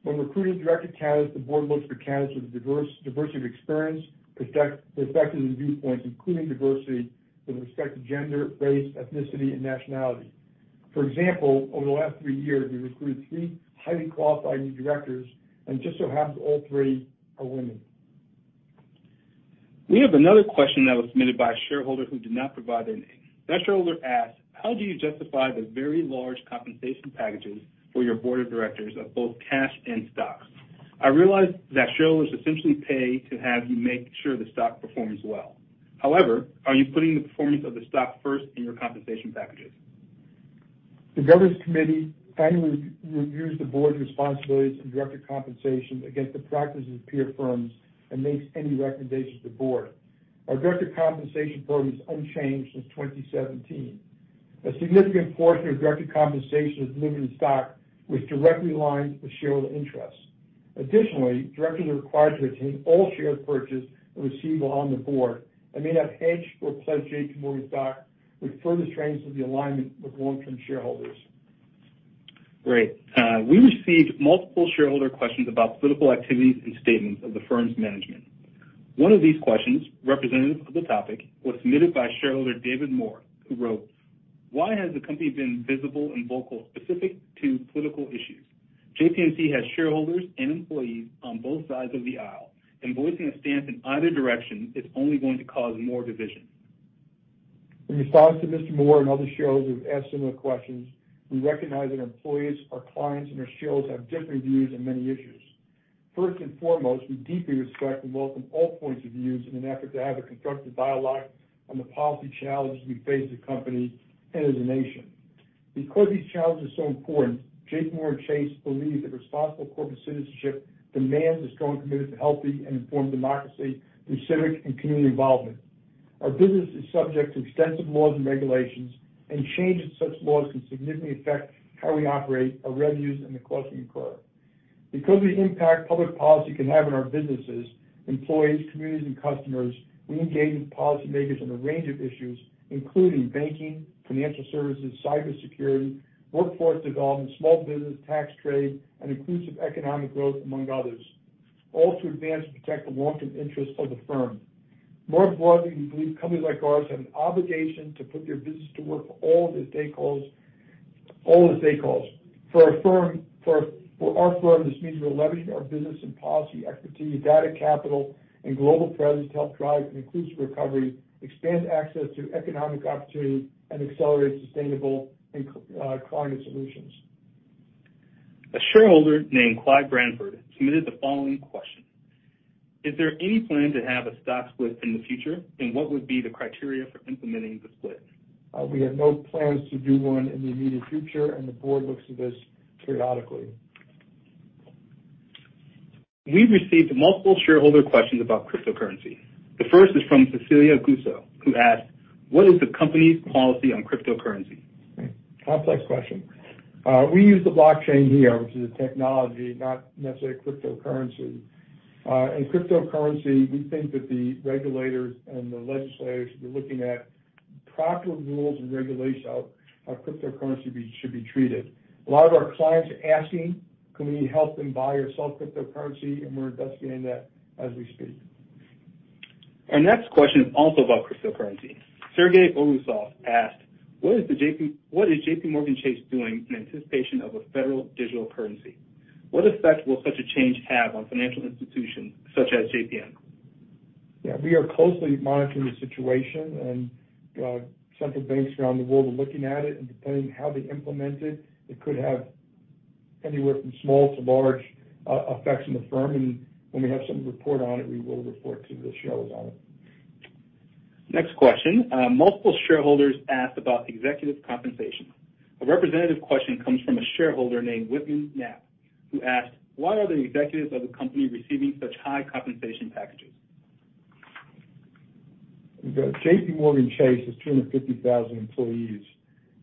When recruiting director candidates, the board looks for candidates with a diversity of experience, perspectives, and viewpoints, including diversity with respect to gender, race, ethnicity, and nationality. For example, over the last three years, we've recruited three highly qualified new directors. Just so happens, all three are women. We have another question that was submitted by a shareholder who did not provide their name. That shareholder asked, How do you justify the very large compensation packages for your board of directors of both cash and stocks? I realize that shareholders essentially pay to have you make sure the stock performs well. Are you putting the performance of the stock first in your compensation packages? The governance committee annually reviews the boards responsibilities for director compensation against the practices of peer firms and makes any recommendations to the board. Our director compensation program is unchanged since 2017. A significant portion of director compensation is vested in stock, which directly aligns with shareholder interest. Additionally, directors are required to retain all shares purchased and received while on the board and may not pledge JPMorgan stock, which further strengthens the alignment with long-term shareholders. Great. We received multiple shareholder questions about political activities and statements of the firms management. One of these questions, representative of the topic, was submitted by shareholder David Moore, who wrote, Why has the company been visible and vocal specific to political issues? JPMC has shareholders and employees on both sides of the aisle, and voicing a stance in either direction is only going to cause more division. In response to Mr. Moore and other shareholders who've asked similar questions, we recognize that employees, our clients, and our shareholders have differing views on many issues. First and foremost, we deeply respect and welcome all points of views in an effort to have a constructive dialogue on the policy challenges we face as a company and as a nation. Because these challenges are so important, JPMorgan Chase believes that responsible corporate citizenship demands a strong commitment to healthy and informed democracy through civic and community involvement. Our business is subject to extensive laws and regulations, and changes to such laws can significantly affect how we operate, our revenues, and the costs we incur. Because of the impact public policy can have on our businesses, employees, communities, and customers, we engage with policymakers on a range of issues, including banking, financial services, cybersecurity, workforce development, small business, tax, trade, and inclusive economic growth, among others, all to advance and protect the long-term interests of the firm. More importantly, we believe companies like ours have an obligation to put their business to work for all their stakeholders. For our firm, this means we are leveraging our business and policy expertise, data capital, and global presence to help drive an inclusive recovery, expand access to economic opportunity, and accelerate sustainable and climate solutions. A shareholder named Clyde Brandford submitted the following question. Is there any plan to have a stock split in the future, and what would be the criteria for implementing the split? We have no plans to do one in the immediate future, and the board looks at this periodically. We've received multiple shareholder questions about cryptocurrency. The first is from Cecilia Gusso, who asked, What is the company's policy on cryptocurrency? Complex question. We use the blockchain here, which is a technology, not necessarily cryptocurrency. In cryptocurrency, we think that the regulators and the legislators should be looking at proper rules and regulations of how cryptocurrency should be treated. A lot of our clients are asking can we help them buy or sell cryptocurrency, and were investigating that as we speak. Our next question is also about cryptocurrency. Sergei Bulzov asked, What is JPMorgan Chase doing in anticipation of a federal digital currency? What effect will such a change have on financial institutions such as JPM? Yeah. We are closely monitoring the situation, and central banks around the world are looking at it, and depending on how they implement it could have anywhere from small to large effects on the firm. When we have something to report on it, we will report to the shareholders on it. Next question. Multiple shareholders ask about executive compensation. A representative question comes from a shareholder named Whitney Knapp, who asks, Why are the executives of the company receiving such high compensation packages? JPMorgan Chase has 250,000 employees,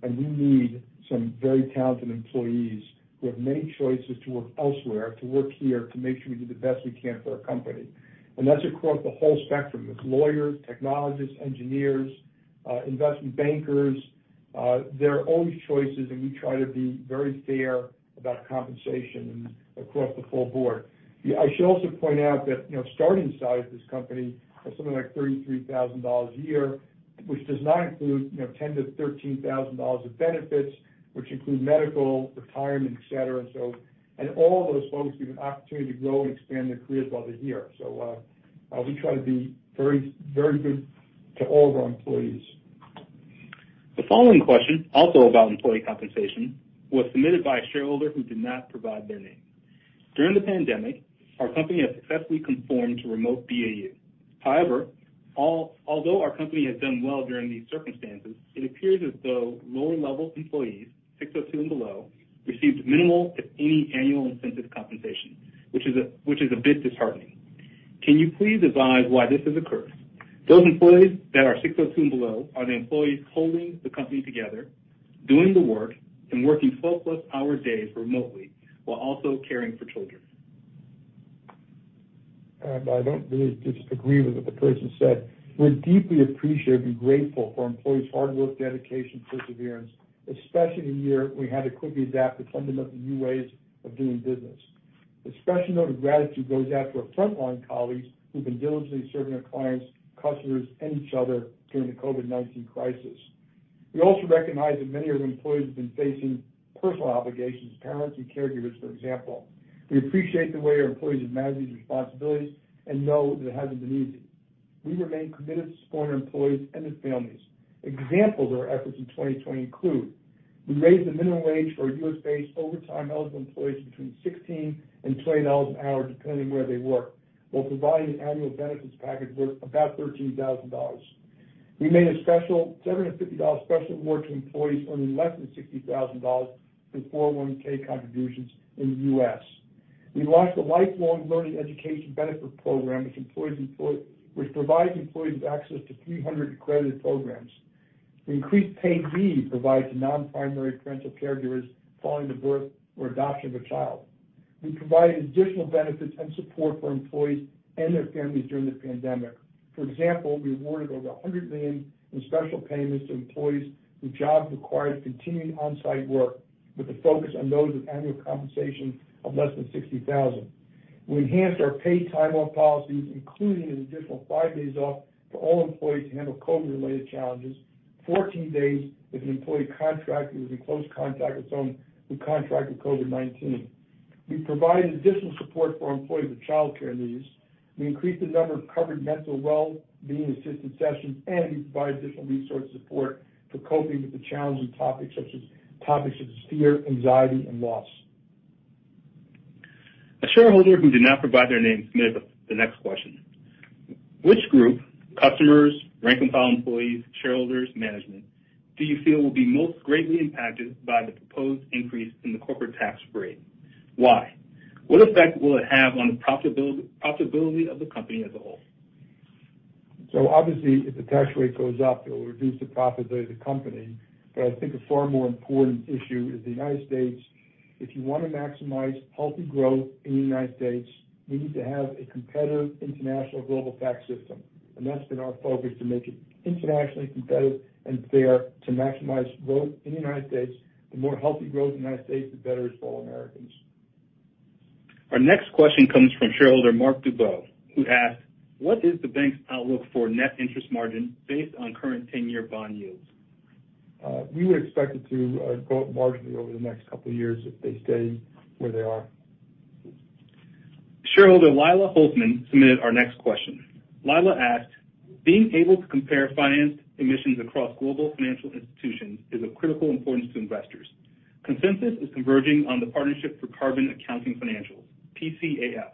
we need some very talented employees who have many choices to work elsewhere, to work here, to make sure we do the best we can for our company. Thats across the whole spectrum. There's lawyers, technologists, engineers, investment bankers. There are always choices, and we try to be very fair about compensation and across the full board. I should also point out that starting salary at this company is something like $33,000 a year, which does not include $10,000-$13,000 of benefits, which include medical, retirement, et cetera. All of those folks get an opportunity to grow and expand their careers while they're here. We try to be very good to all of our employees. The following question, also about employee compensation, was submitted by a shareholder who did not provide their name. During the pandemic, our company has successfully conformed to remote BAU. However, although our company has done well during these circumstances, it appears as though lower-level employees, level 6-2 and below, received minimal to any annual incentive compensation, which is a bit disheartening. Can you please advise why this has occurred? Those employees that are level 6-2 and below are the employees holding the company together, doing the work, and working 12-plus hour days remotely while also caring for children. I don't really disagree with what the person said. Were deeply appreciative and grateful for employees hard work, dedication, and perseverance, especially in a year when we had to quickly adapt to coming up with new ways of doing business. A special note of gratitude goes out to our frontline colleagues who've been diligently serving our clients, customers, and each other during the COVID-19 crisis. We also recognize that many of our employees have been facing personal obligations, parents and caregivers, for example. We appreciate the way our employees have managed these responsibilities and know that it hasn't been easy. We remain committed to supporting our employees and their families. Examples of our efforts in 2020 include, we raised the minimum wage for our U.S.-based overtime-eligible employees between $16 and $20 an hour, depending where they work, while providing an annual benefits package worth about $13,000. We made a $750 special award to employees earning less than $60,000 through 401 contributions in the U.S. We launched a lifelong learning education benefit program which provides employees with access to 300 accredited programs. We increased paid leave provided to non-primary parental caregivers following the birth or adoption of a child. We provided additional benefits and support for employees and their families during the pandemic. For example, we awarded over $100 million in special payments to employees whose jobs required continuing on-site work, with a focus on those with annual compensations of less than $60,000. We enhanced our paid time off policies, including an additional five days off for all employees to handle COVID-related challenges, 14 days if the employee, contractor was in close contact with someone who contracted COVID-19. We provided additional support for employees with childcare needs. We increased the number of covered mental well-being assisted sessions, and we provided additional resource support for coping with the challenging topics such as fear, anxiety, and loss. A shareholder who did not provide their name submitted the next question. Which group, customers, rank-and-file employees, shareholders, management, do you feel will be most greatly impacted by the proposed increase in the corporate tax rate? Why? What effect will it have on profitability of the company as a whole? Obviously, if the tax rate goes up, it will reduce the profitability of the company. I think a far more important issue is the United States. If you want to maximize healthy growth in the United States, we need to have a competitive international global tax system. Thats been our focus, to make it internationally competitive and fair to maximize growth in the United States. The more healthy growth in the United States, the better it is for all Americans. Our next question comes from Shareholder Mark Dubow, who asks, What is the banks outlook for net interest margin based on current 10-year bond yields? We would expect it to go up marginally over the next couple of years if they stay where they are. Shareholder Lila Holtman submitted our next question. Lila asks, Being able to compare finance emissions across global financial institutions is of critical importance to investors. Consensus is converging on the Partnership for Carbon Accounting Financials, PCAF.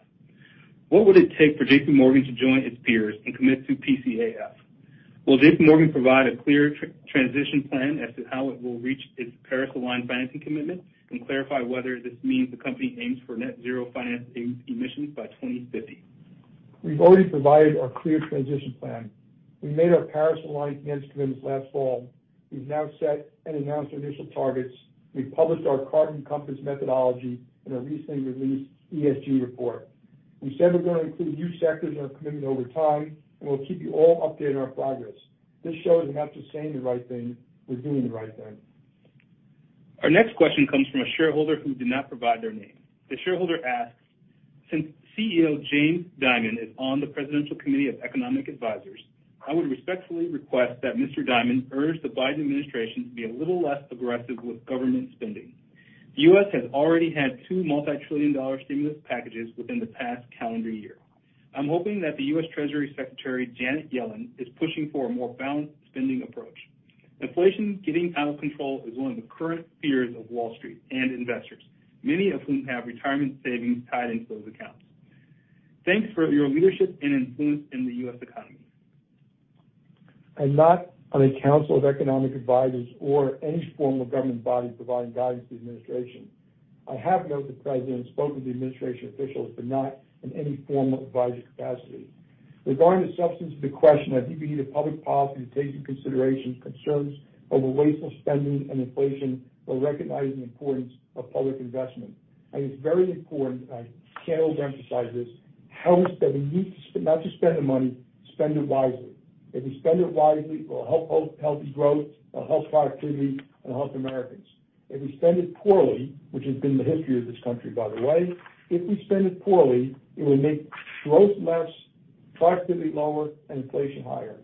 What would it take for JPMorgan to join its peers and commit to PCAF? Will JPMorgan provide a clear transition plan as to how it will reach its Paris-aligned banking commitments and clarify whether this means the company aims for net zero financing emissions by 2050? We've already provided our clear transition plan. We made our Paris-aligned finance commitments last fall. We've now set and announced our initial targets. We've published our Carbon Compass methodology in our recently released ESG report. We said were going to include new sectors in our commitment over time, and well keep you all updated on our progress. This shows were not just saying the right thing, were doing the right thing. Our next question comes from a shareholder who did not provide their name. The shareholder asks, Since CEO Jamie Dimon is on the Presidential Committee of Economic Advisers, I would respectfully request that Mr. Dimon urge the Biden administration to be a little less aggressive with government spending. The U.S. has already had two multi-trillion dollar stimulus packages within the past calendar year. Im hoping that the U.S. Treasury Secretary, Janet Yellen, is pushing for a more balanced spending approach. Inflation getting out of control is one of the current fears of Wall Street and investors, many of whom have retirement savings tied in those accounts. Thanks for your leadership and influence in the U.S. economy. Im not on the Council of Economic Advisers or any form of government body providing guidance to the administration. I have met with the president and spoken to administration officials, but not in any form of advisory capacity. Regarding the substance of the question, I think we need a public policy that takes into consideration concerns of wasteful spending and inflation while recognizing the importance of public investment. Its very important, and I cannot overemphasize this, how that we need not just spend the money, spend it wisely. If we spend it wisely, it will help healthy growth, itll help productivity, itll help Americans. If we spend it poorly, which has been the history of this country, by the way, if we spend it poorly, it will make growth less, productivity lower, and inflation higher.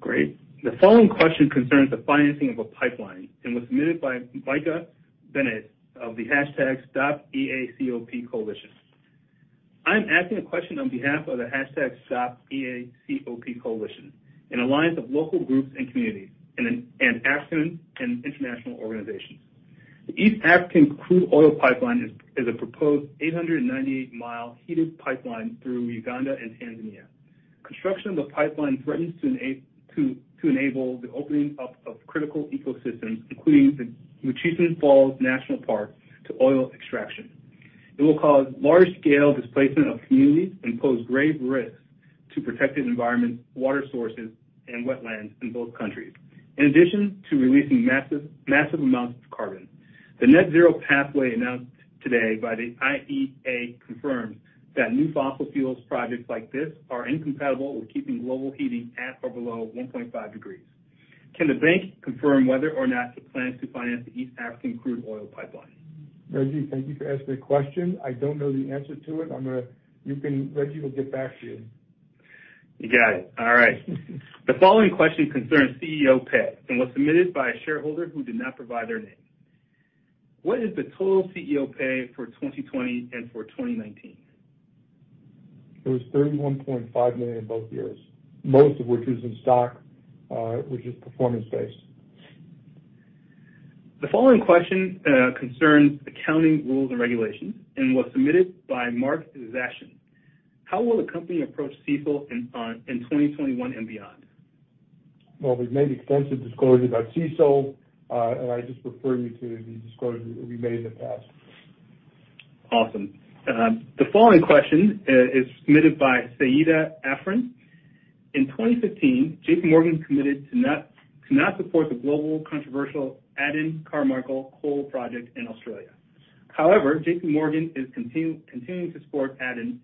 Great. The following question concerns the financing of a pipeline and was submitted by Micah Bennett of the #StopEACOP coalition. Im asking a question on behalf of the #StopEACOP coalition, an alliance of local groups and communities, and African and international organizations. The East African Crude Oil Pipeline is a proposed 898-mile heated pipeline through Uganda and Tanzania. Construction of the pipeline threatens to enable the opening up of critical ecosystems, including the Murchison Falls National Park, to oil extraction. It will cause large-scale displacement of communities and pose grave risks to protected environments, water sources, and wetlands in both countries. In addition to releasing massive amounts of carbon. The net zero pathway announced today by the IEA confirms that new fossil fuels projects like this are incompatible with keeping global heating at or below 1.5 degrees. Can the bank confirm whether or not it plans to finance the East African Crude Oil Pipeline? Reggie, thank you for asking the question. I dont know the answer to it. Reggie will get back to you. You got it. All right. The following question concerns CEO pay and was submitted by a shareholder who did not provide their name. What is the total CEO pay for 2020 and for 2019? It was $31.5 million both years, most of which is in stock, which is performance-based. The following question concerns accounting rules and regulations and was submitted by Mark Zeszen. How will the company approach CECL in 2021 and beyond? Well, weve made extensive disclosures about CECL, and Id just refer you to the disclosures that we made in the past. Awesome. The following question is submitted by Sayida Afrin. In 2015, JPMorgan committed to not support the global controversial Adani Carmichael Coal Project in Australia. However, JPMorgan is continuing to support Adani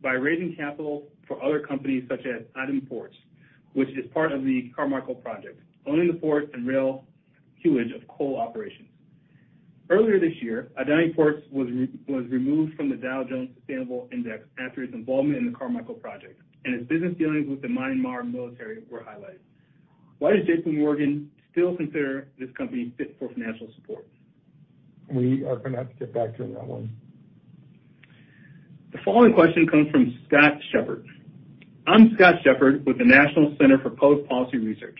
by raising capital for other companies such as Adani Ports, which is part of the Carmichael Project, owning the port and rail sidings of coal operations. Earlier this year, Adani Ports was removed from the Dow Jones Sustainability Index after its involvement in the Carmichael Project, and its business dealings with the Myanmar military were highlighted. Why does JPMorgan still consider this company fit for financial support? We are going to have to get back to you on that one. The following question comes from Scott Shepherd. Im Scott Shepherd with the National Center for Public Policy Research.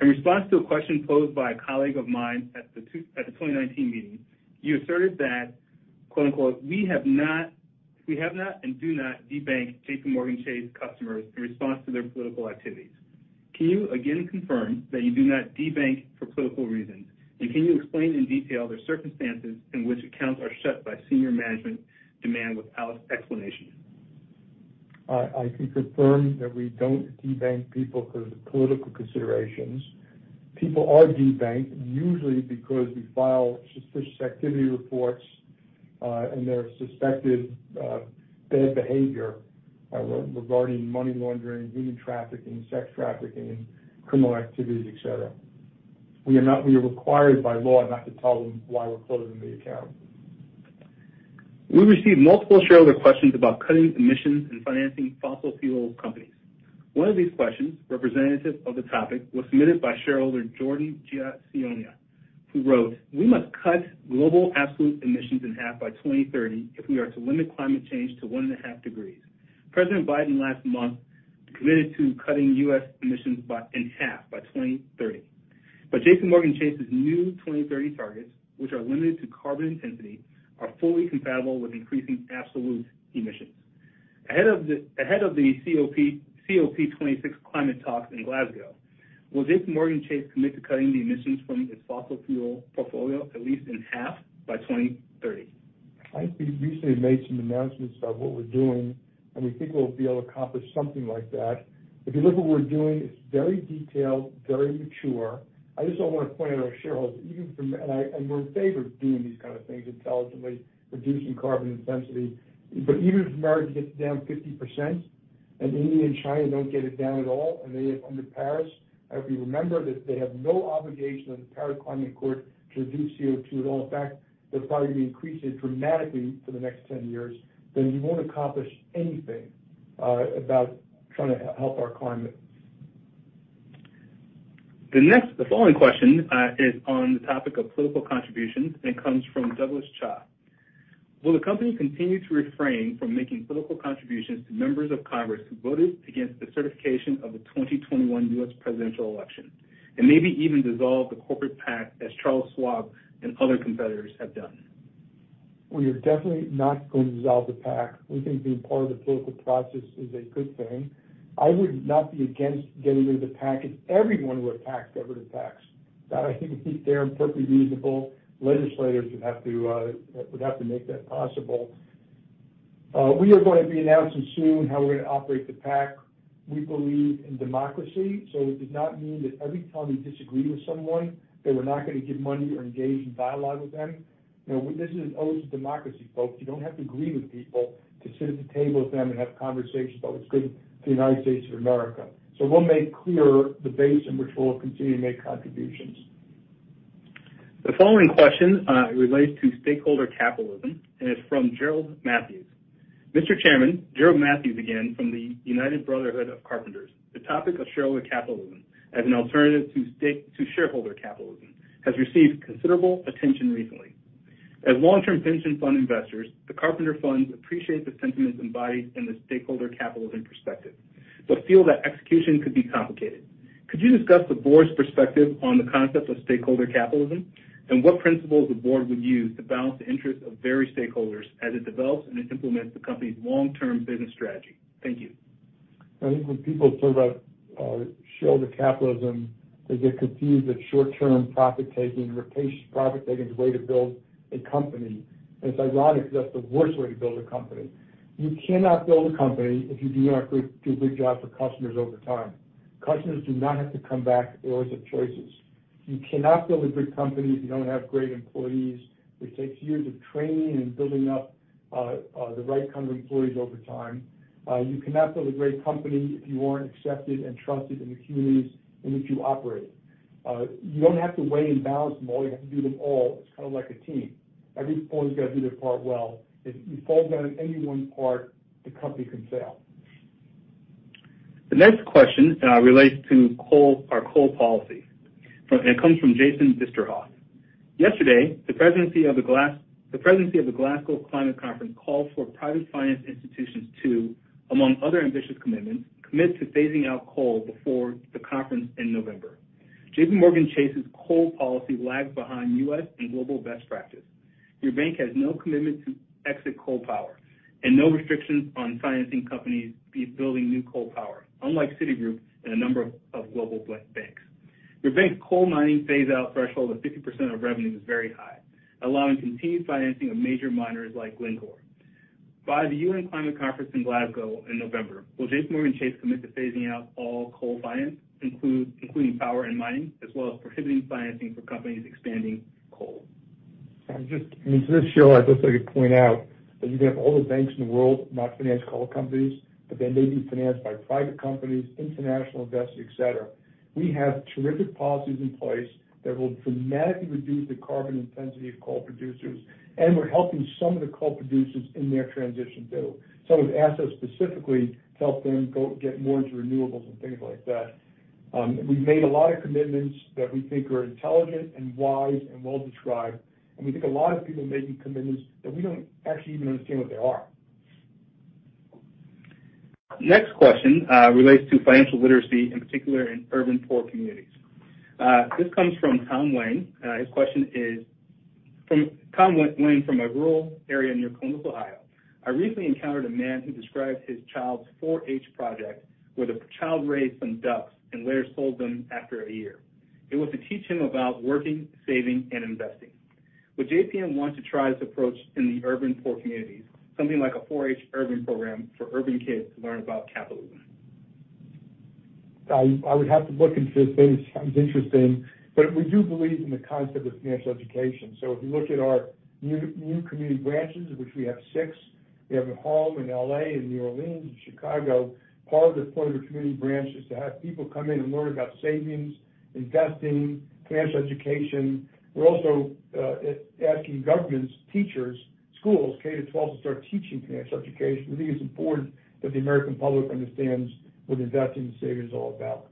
In response to a question posed by a colleague of mine at the 2019 meeting, you asserted that, quote, unquote, We have not and do not de-bank JPMorgan Chase customers in response to their political activities. Can you again confirm that you do not de-bank for political reasons? Can you explain in detail the circumstances in which accounts are shut by senior management demand without explanation? I can confirm that we dont de-bank people because of political considerations. People are de-banked usually because we file suspicious activity reports, and there is suspected bad behavior regarding money laundering, human trafficking, sex trafficking, criminal activities, et cetera. We are required by law not to tell them why were closing the account. We received multiple shareholder questions about cutting emissions and financing fossil fuel companies. One of these questions, representative of the topic, was submitted by shareholder Jordi Sciona, who wrote: We must cut global absolute emissions in half by 2030 if we are to limit climate change to one and a half degrees. President Biden last month committed to cutting U.S. emissions in half by 2030. JPMorgan Chases new 2030 targets, which are limited to carbon intensity, are fully compatible with increasing absolute emissions. Ahead of the COP26 climate talks in Glasgow, will JPMorgan Chase commit to cutting the emissions from its fossil fuel portfolio at least in half by 2030? I think we recently made some announcements about what were doing, we think well be able to accomplish something like that. If you look at what were doing, its very detailed, very mature. I just want to point out to shareholders, were in favor of doing these kind of things intelligently, reducing carbon intensity. Even if the U.S. gets it down 50%, India and China don't get it down at all. They have under the Paris Agreement. If you remember that they have no obligation under the Paris Agreement to reduce CO2 at all. In fact, they're probably going to increase it dramatically for the next 10 years, we wont accomplish anything about trying to help our climate. The following question is on the topic of political contributions and comes from Douglas Cha. Will the company continue to refrain from making political contributions to members of Congress who voted against the certification of the 2021 U.S. presidential election? Maybe even dissolve the corporate PAC as Charles Schwab and other competitors have done. We are definitely not going to dissolve the PAC. We think being part of the political process is a good thing. I would not be against getting rid of the PAC if everyone were PAC-governed PACs. That I think is fair and perfectly reasonable. Legislators would have to make that possible. We are going to be announcing soon how were going to operate the PAC. It does not mean that every time we disagree with someone that were not going to give money or engage in dialogue with them. This is an ode to democracy, folks. You don't have to agree with people to sit at the table with them and have conversations about what's good for the United States of America. Well make clear the base from which well continue to make contributions. The following question relates to stakeholder capitalism, and its from Gerald Matthews. Mr. Chairman, Gerald Matthews again from the United Brotherhood of Carpenters. The topic of shareholder capitalism as an alternative to stakeholder capitalism has received considerable attention recently. As long-term pension fund investors, the carpenter funds appreciate the sentiments embodied in the stakeholder capitalism perspective but feel that execution could be complicated. Could you discuss the boards perspective on the concept of stakeholder capitalism, and what principles the board would use to balance the interest of various stakeholders as it develops and implements the company's long-term business strategy? Thank you. I think when people talk about shareholder capitalism, they get confused that short-term profit-taking, reputation profit-taking, is a way to build a company. Its ironic, but that's the worst way to build a company. You cannot build a company if you do not do a good job for customers over time. Customers do not have to come back. They always have choices. You cannot build a good company if you don't have great employees. They take years of training and building up the right kind of employees over time. You cannot build a great company if you are'nt accepted and trusted in the communities in which you operate. You don't have to weigh and balance them all. You have to do them all kind of like a team. Every employees got to do their part well. If you fall down on any one part, the company can fail. The next question relates to our coal policy. It comes from Jason Bisterhoff. Yesterday, the presidency of the Glasgow Climate Conference called for private finance institutions to, among other ambitious commitments, commit to phasing out coal before the conference in November. JPMorgan Chases coal policy lags behind U.S. and global best practice. Your bank has no commitment to exit coal power and no restrictions on financing companies building new coal power, unlike Citigroup and a number of global banks. Your bank coal mining phase out threshold of 50% of revenue is very high, allowing continued financing of major miners like Glencore. By the UN climate conference in Glasgow in November, will JPMorgan Chase commit to phasing out all coal finance, including power and mining, as well as prohibiting financing for companies expanding coal? Just to be clear, I'd just like to point out that you can have all the banks in the world not finance coal companies, but they may be financed by private companies, international investors, et cetera. We have terrific policies in place that will dramatically reduce the carbon intensity of coal producers, and were helping some of the coal producers in their transition too. Some of the assets specifically to help them get more into renewables and things like that. Weve made a lot of commitments that we think are intelligent and wise and well-described, and we think a lot of people are making commitments that we dont actually even understand what they are. Next question relates to financial literacy, in particular in urban poor communities. This comes from Tom Wayne. His question is from Tom Wayne from a rural area near Columbus, Ohio. I recently encountered a man who described his child's 4-H project where the child raised some ducks and later sold them after a year. It was to teach him about working, saving, and investing. Would JPM want to try this approach in the urban poor communities, something like a 4-H urban program for urban kids to learn about capitalism? I would have to look into it. Sounds interesting. We do believe in the concept of financial education. If you look at our new community branches, of which we have six, we have in Harlem, in L.A., in New Orleans, in Chicago. Part of the point of community branches is to have people come in and learn about savings, investing, financial education. Were also asking governments, teachers, schools K-12, to start teaching financial education. We think its important that the American public understands what investing and saving is all about.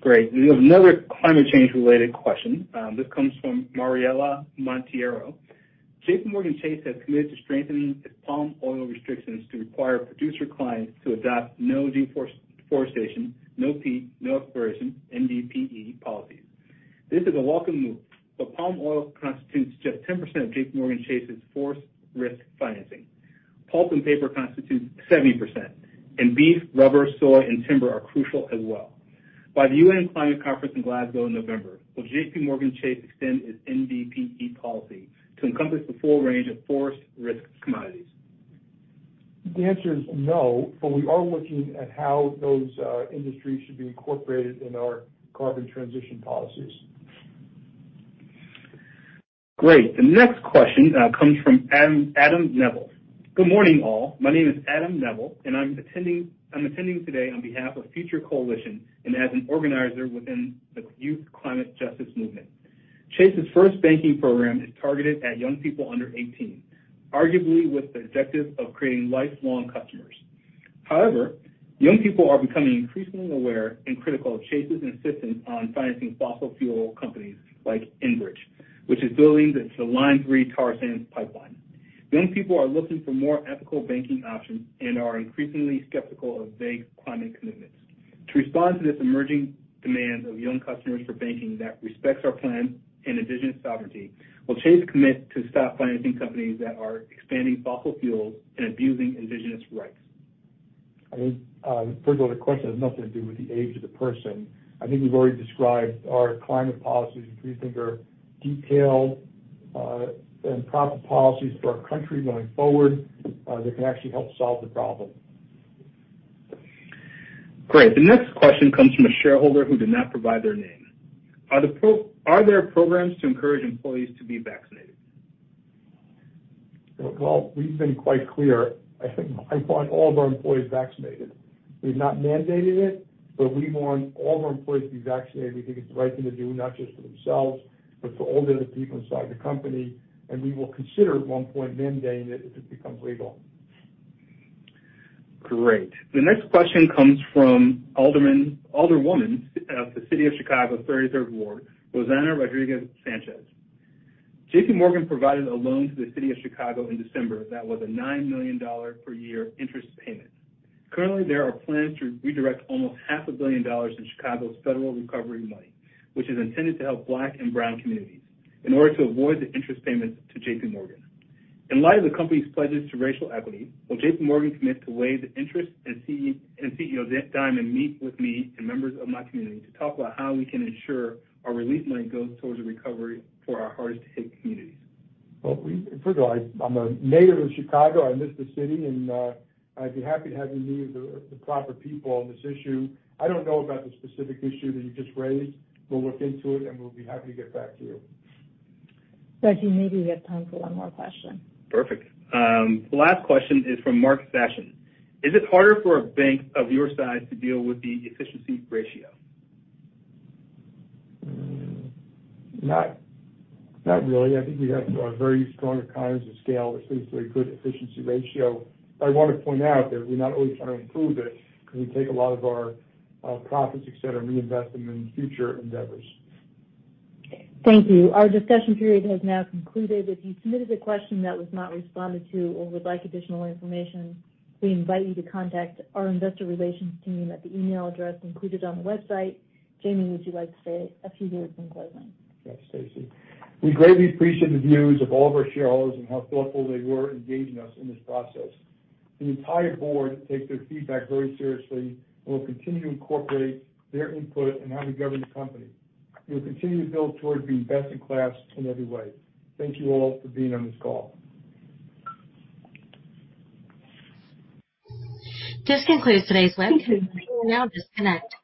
Great. We have another climate change-related question. This comes from Mariela Monteiro. JPMorgan Chase has committed to strengthening its palm oil restrictions to require producer clients to adopt no deforestation, no exploitation NDPE policies. This is a welcome move. Palm oil constitutes just 10% of JPMorgan Chases forest risk financing. Pulp and paper constitutes 70%. Beef, rubber, soy, and timber are crucial as well. By the UN climate conference in Glasgow in November, will JPMorgan Chase extend its NDPE policy to encompass the full range of forest risk commodities? The answer is no, but we are looking at how those industries should be incorporated in our carbon transition policies. Great. The next question comes from Adam Neville. Good morning, all. My name is Adam Neville, and Im attending today on behalf of Future Coalition and as an organizer within the youth climate justice movement. Chases first banking program is targeted at young people under 18, arguably with the objective of creating lifelong customers. Young people are becoming increasingly aware and critical of Chases insistence on financing fossil fuel companies like Enbridge, which is building the Line 3 Tar Sands pipeline. Many people are looking for more ethical banking options and are increasingly skeptical of vague climate commitments. To respond to this emerging demand of young customers for banking that respects our planet and indigenous sovereignty, will Chase commit to stop financing companies that are expanding fossil fuels and abusing indigenous rights? I think, first of all, the question has nothing to do with the age of the person. I think we've already described our climate policies, which we think are detailed and proper policies for our country going forward that can actually help solve the problem. Great. The next question comes from a shareholder who did not provide their name. Are there programs to encourage employees to be vaccinated? Well, weve been quite clear. I think I want all of our employees vaccinated. Weve not mandated it, but we want all of our employees to be vaccinated because its the right thing to do, not just for themselves, but for all the other people inside the company, and we will consider at one point mandating it if it becomes legal. Great. The next question comes from Alderwoman of the City of Chicago, 33rd Ward, Rossana Rodriguez-Sanchez. JPMorgan provided a loan to the City of Chicago in December that was a $9 million per year interest payment. Currently, there are plans to redirect almost half a billion dollars of Chicagos federal recovery money, which is intended to help Black and brown communities, in order to avoid the interest payments to JPMorgan. In light of the companys pledges to racial equity, will JPMorgan commit to waive the interest, and CEO Jamie Dimon meet with me and members of my community to talk about how we can ensure our relief money goes towards the recovery for our hard-hit communities? Well, first of all, I'm a native of Chicago. I miss the city, and Id be happy to have you meet with the proper people on this issue. I don't know about the specific issue that you just raised, but well look into it and well be happy to get back to you. Thank you. Maybe we have time for one more question. Perfect. The last question is from Mark Session. Is it harder for a bank of your size to deal with the efficiency ratio? Not really. I think we have a very strong economies of scale, which leads to a good efficiency ratio. I want to point out that were not always trying to improve it because we take a lot of our profits, et cetera, and reinvest them in future endeavors. Thank you. Our discussion period has now concluded. If you submitted a question that was not responded to or would like additional information, we invite you to contact our investor relations team at the email address included on the website. Jamie, would you like to say a few words in closing? Stacey. We greatly appreciate the views of all of our shareholders and how thoughtful they were in engaging us in this process. The entire board takes their feedback very seriously and will continue to incorporate their input in how we govern the company. We will continue to build toward being best in class in every way. Thank you all for being on this call. This concludes todays session. You may now disconnect.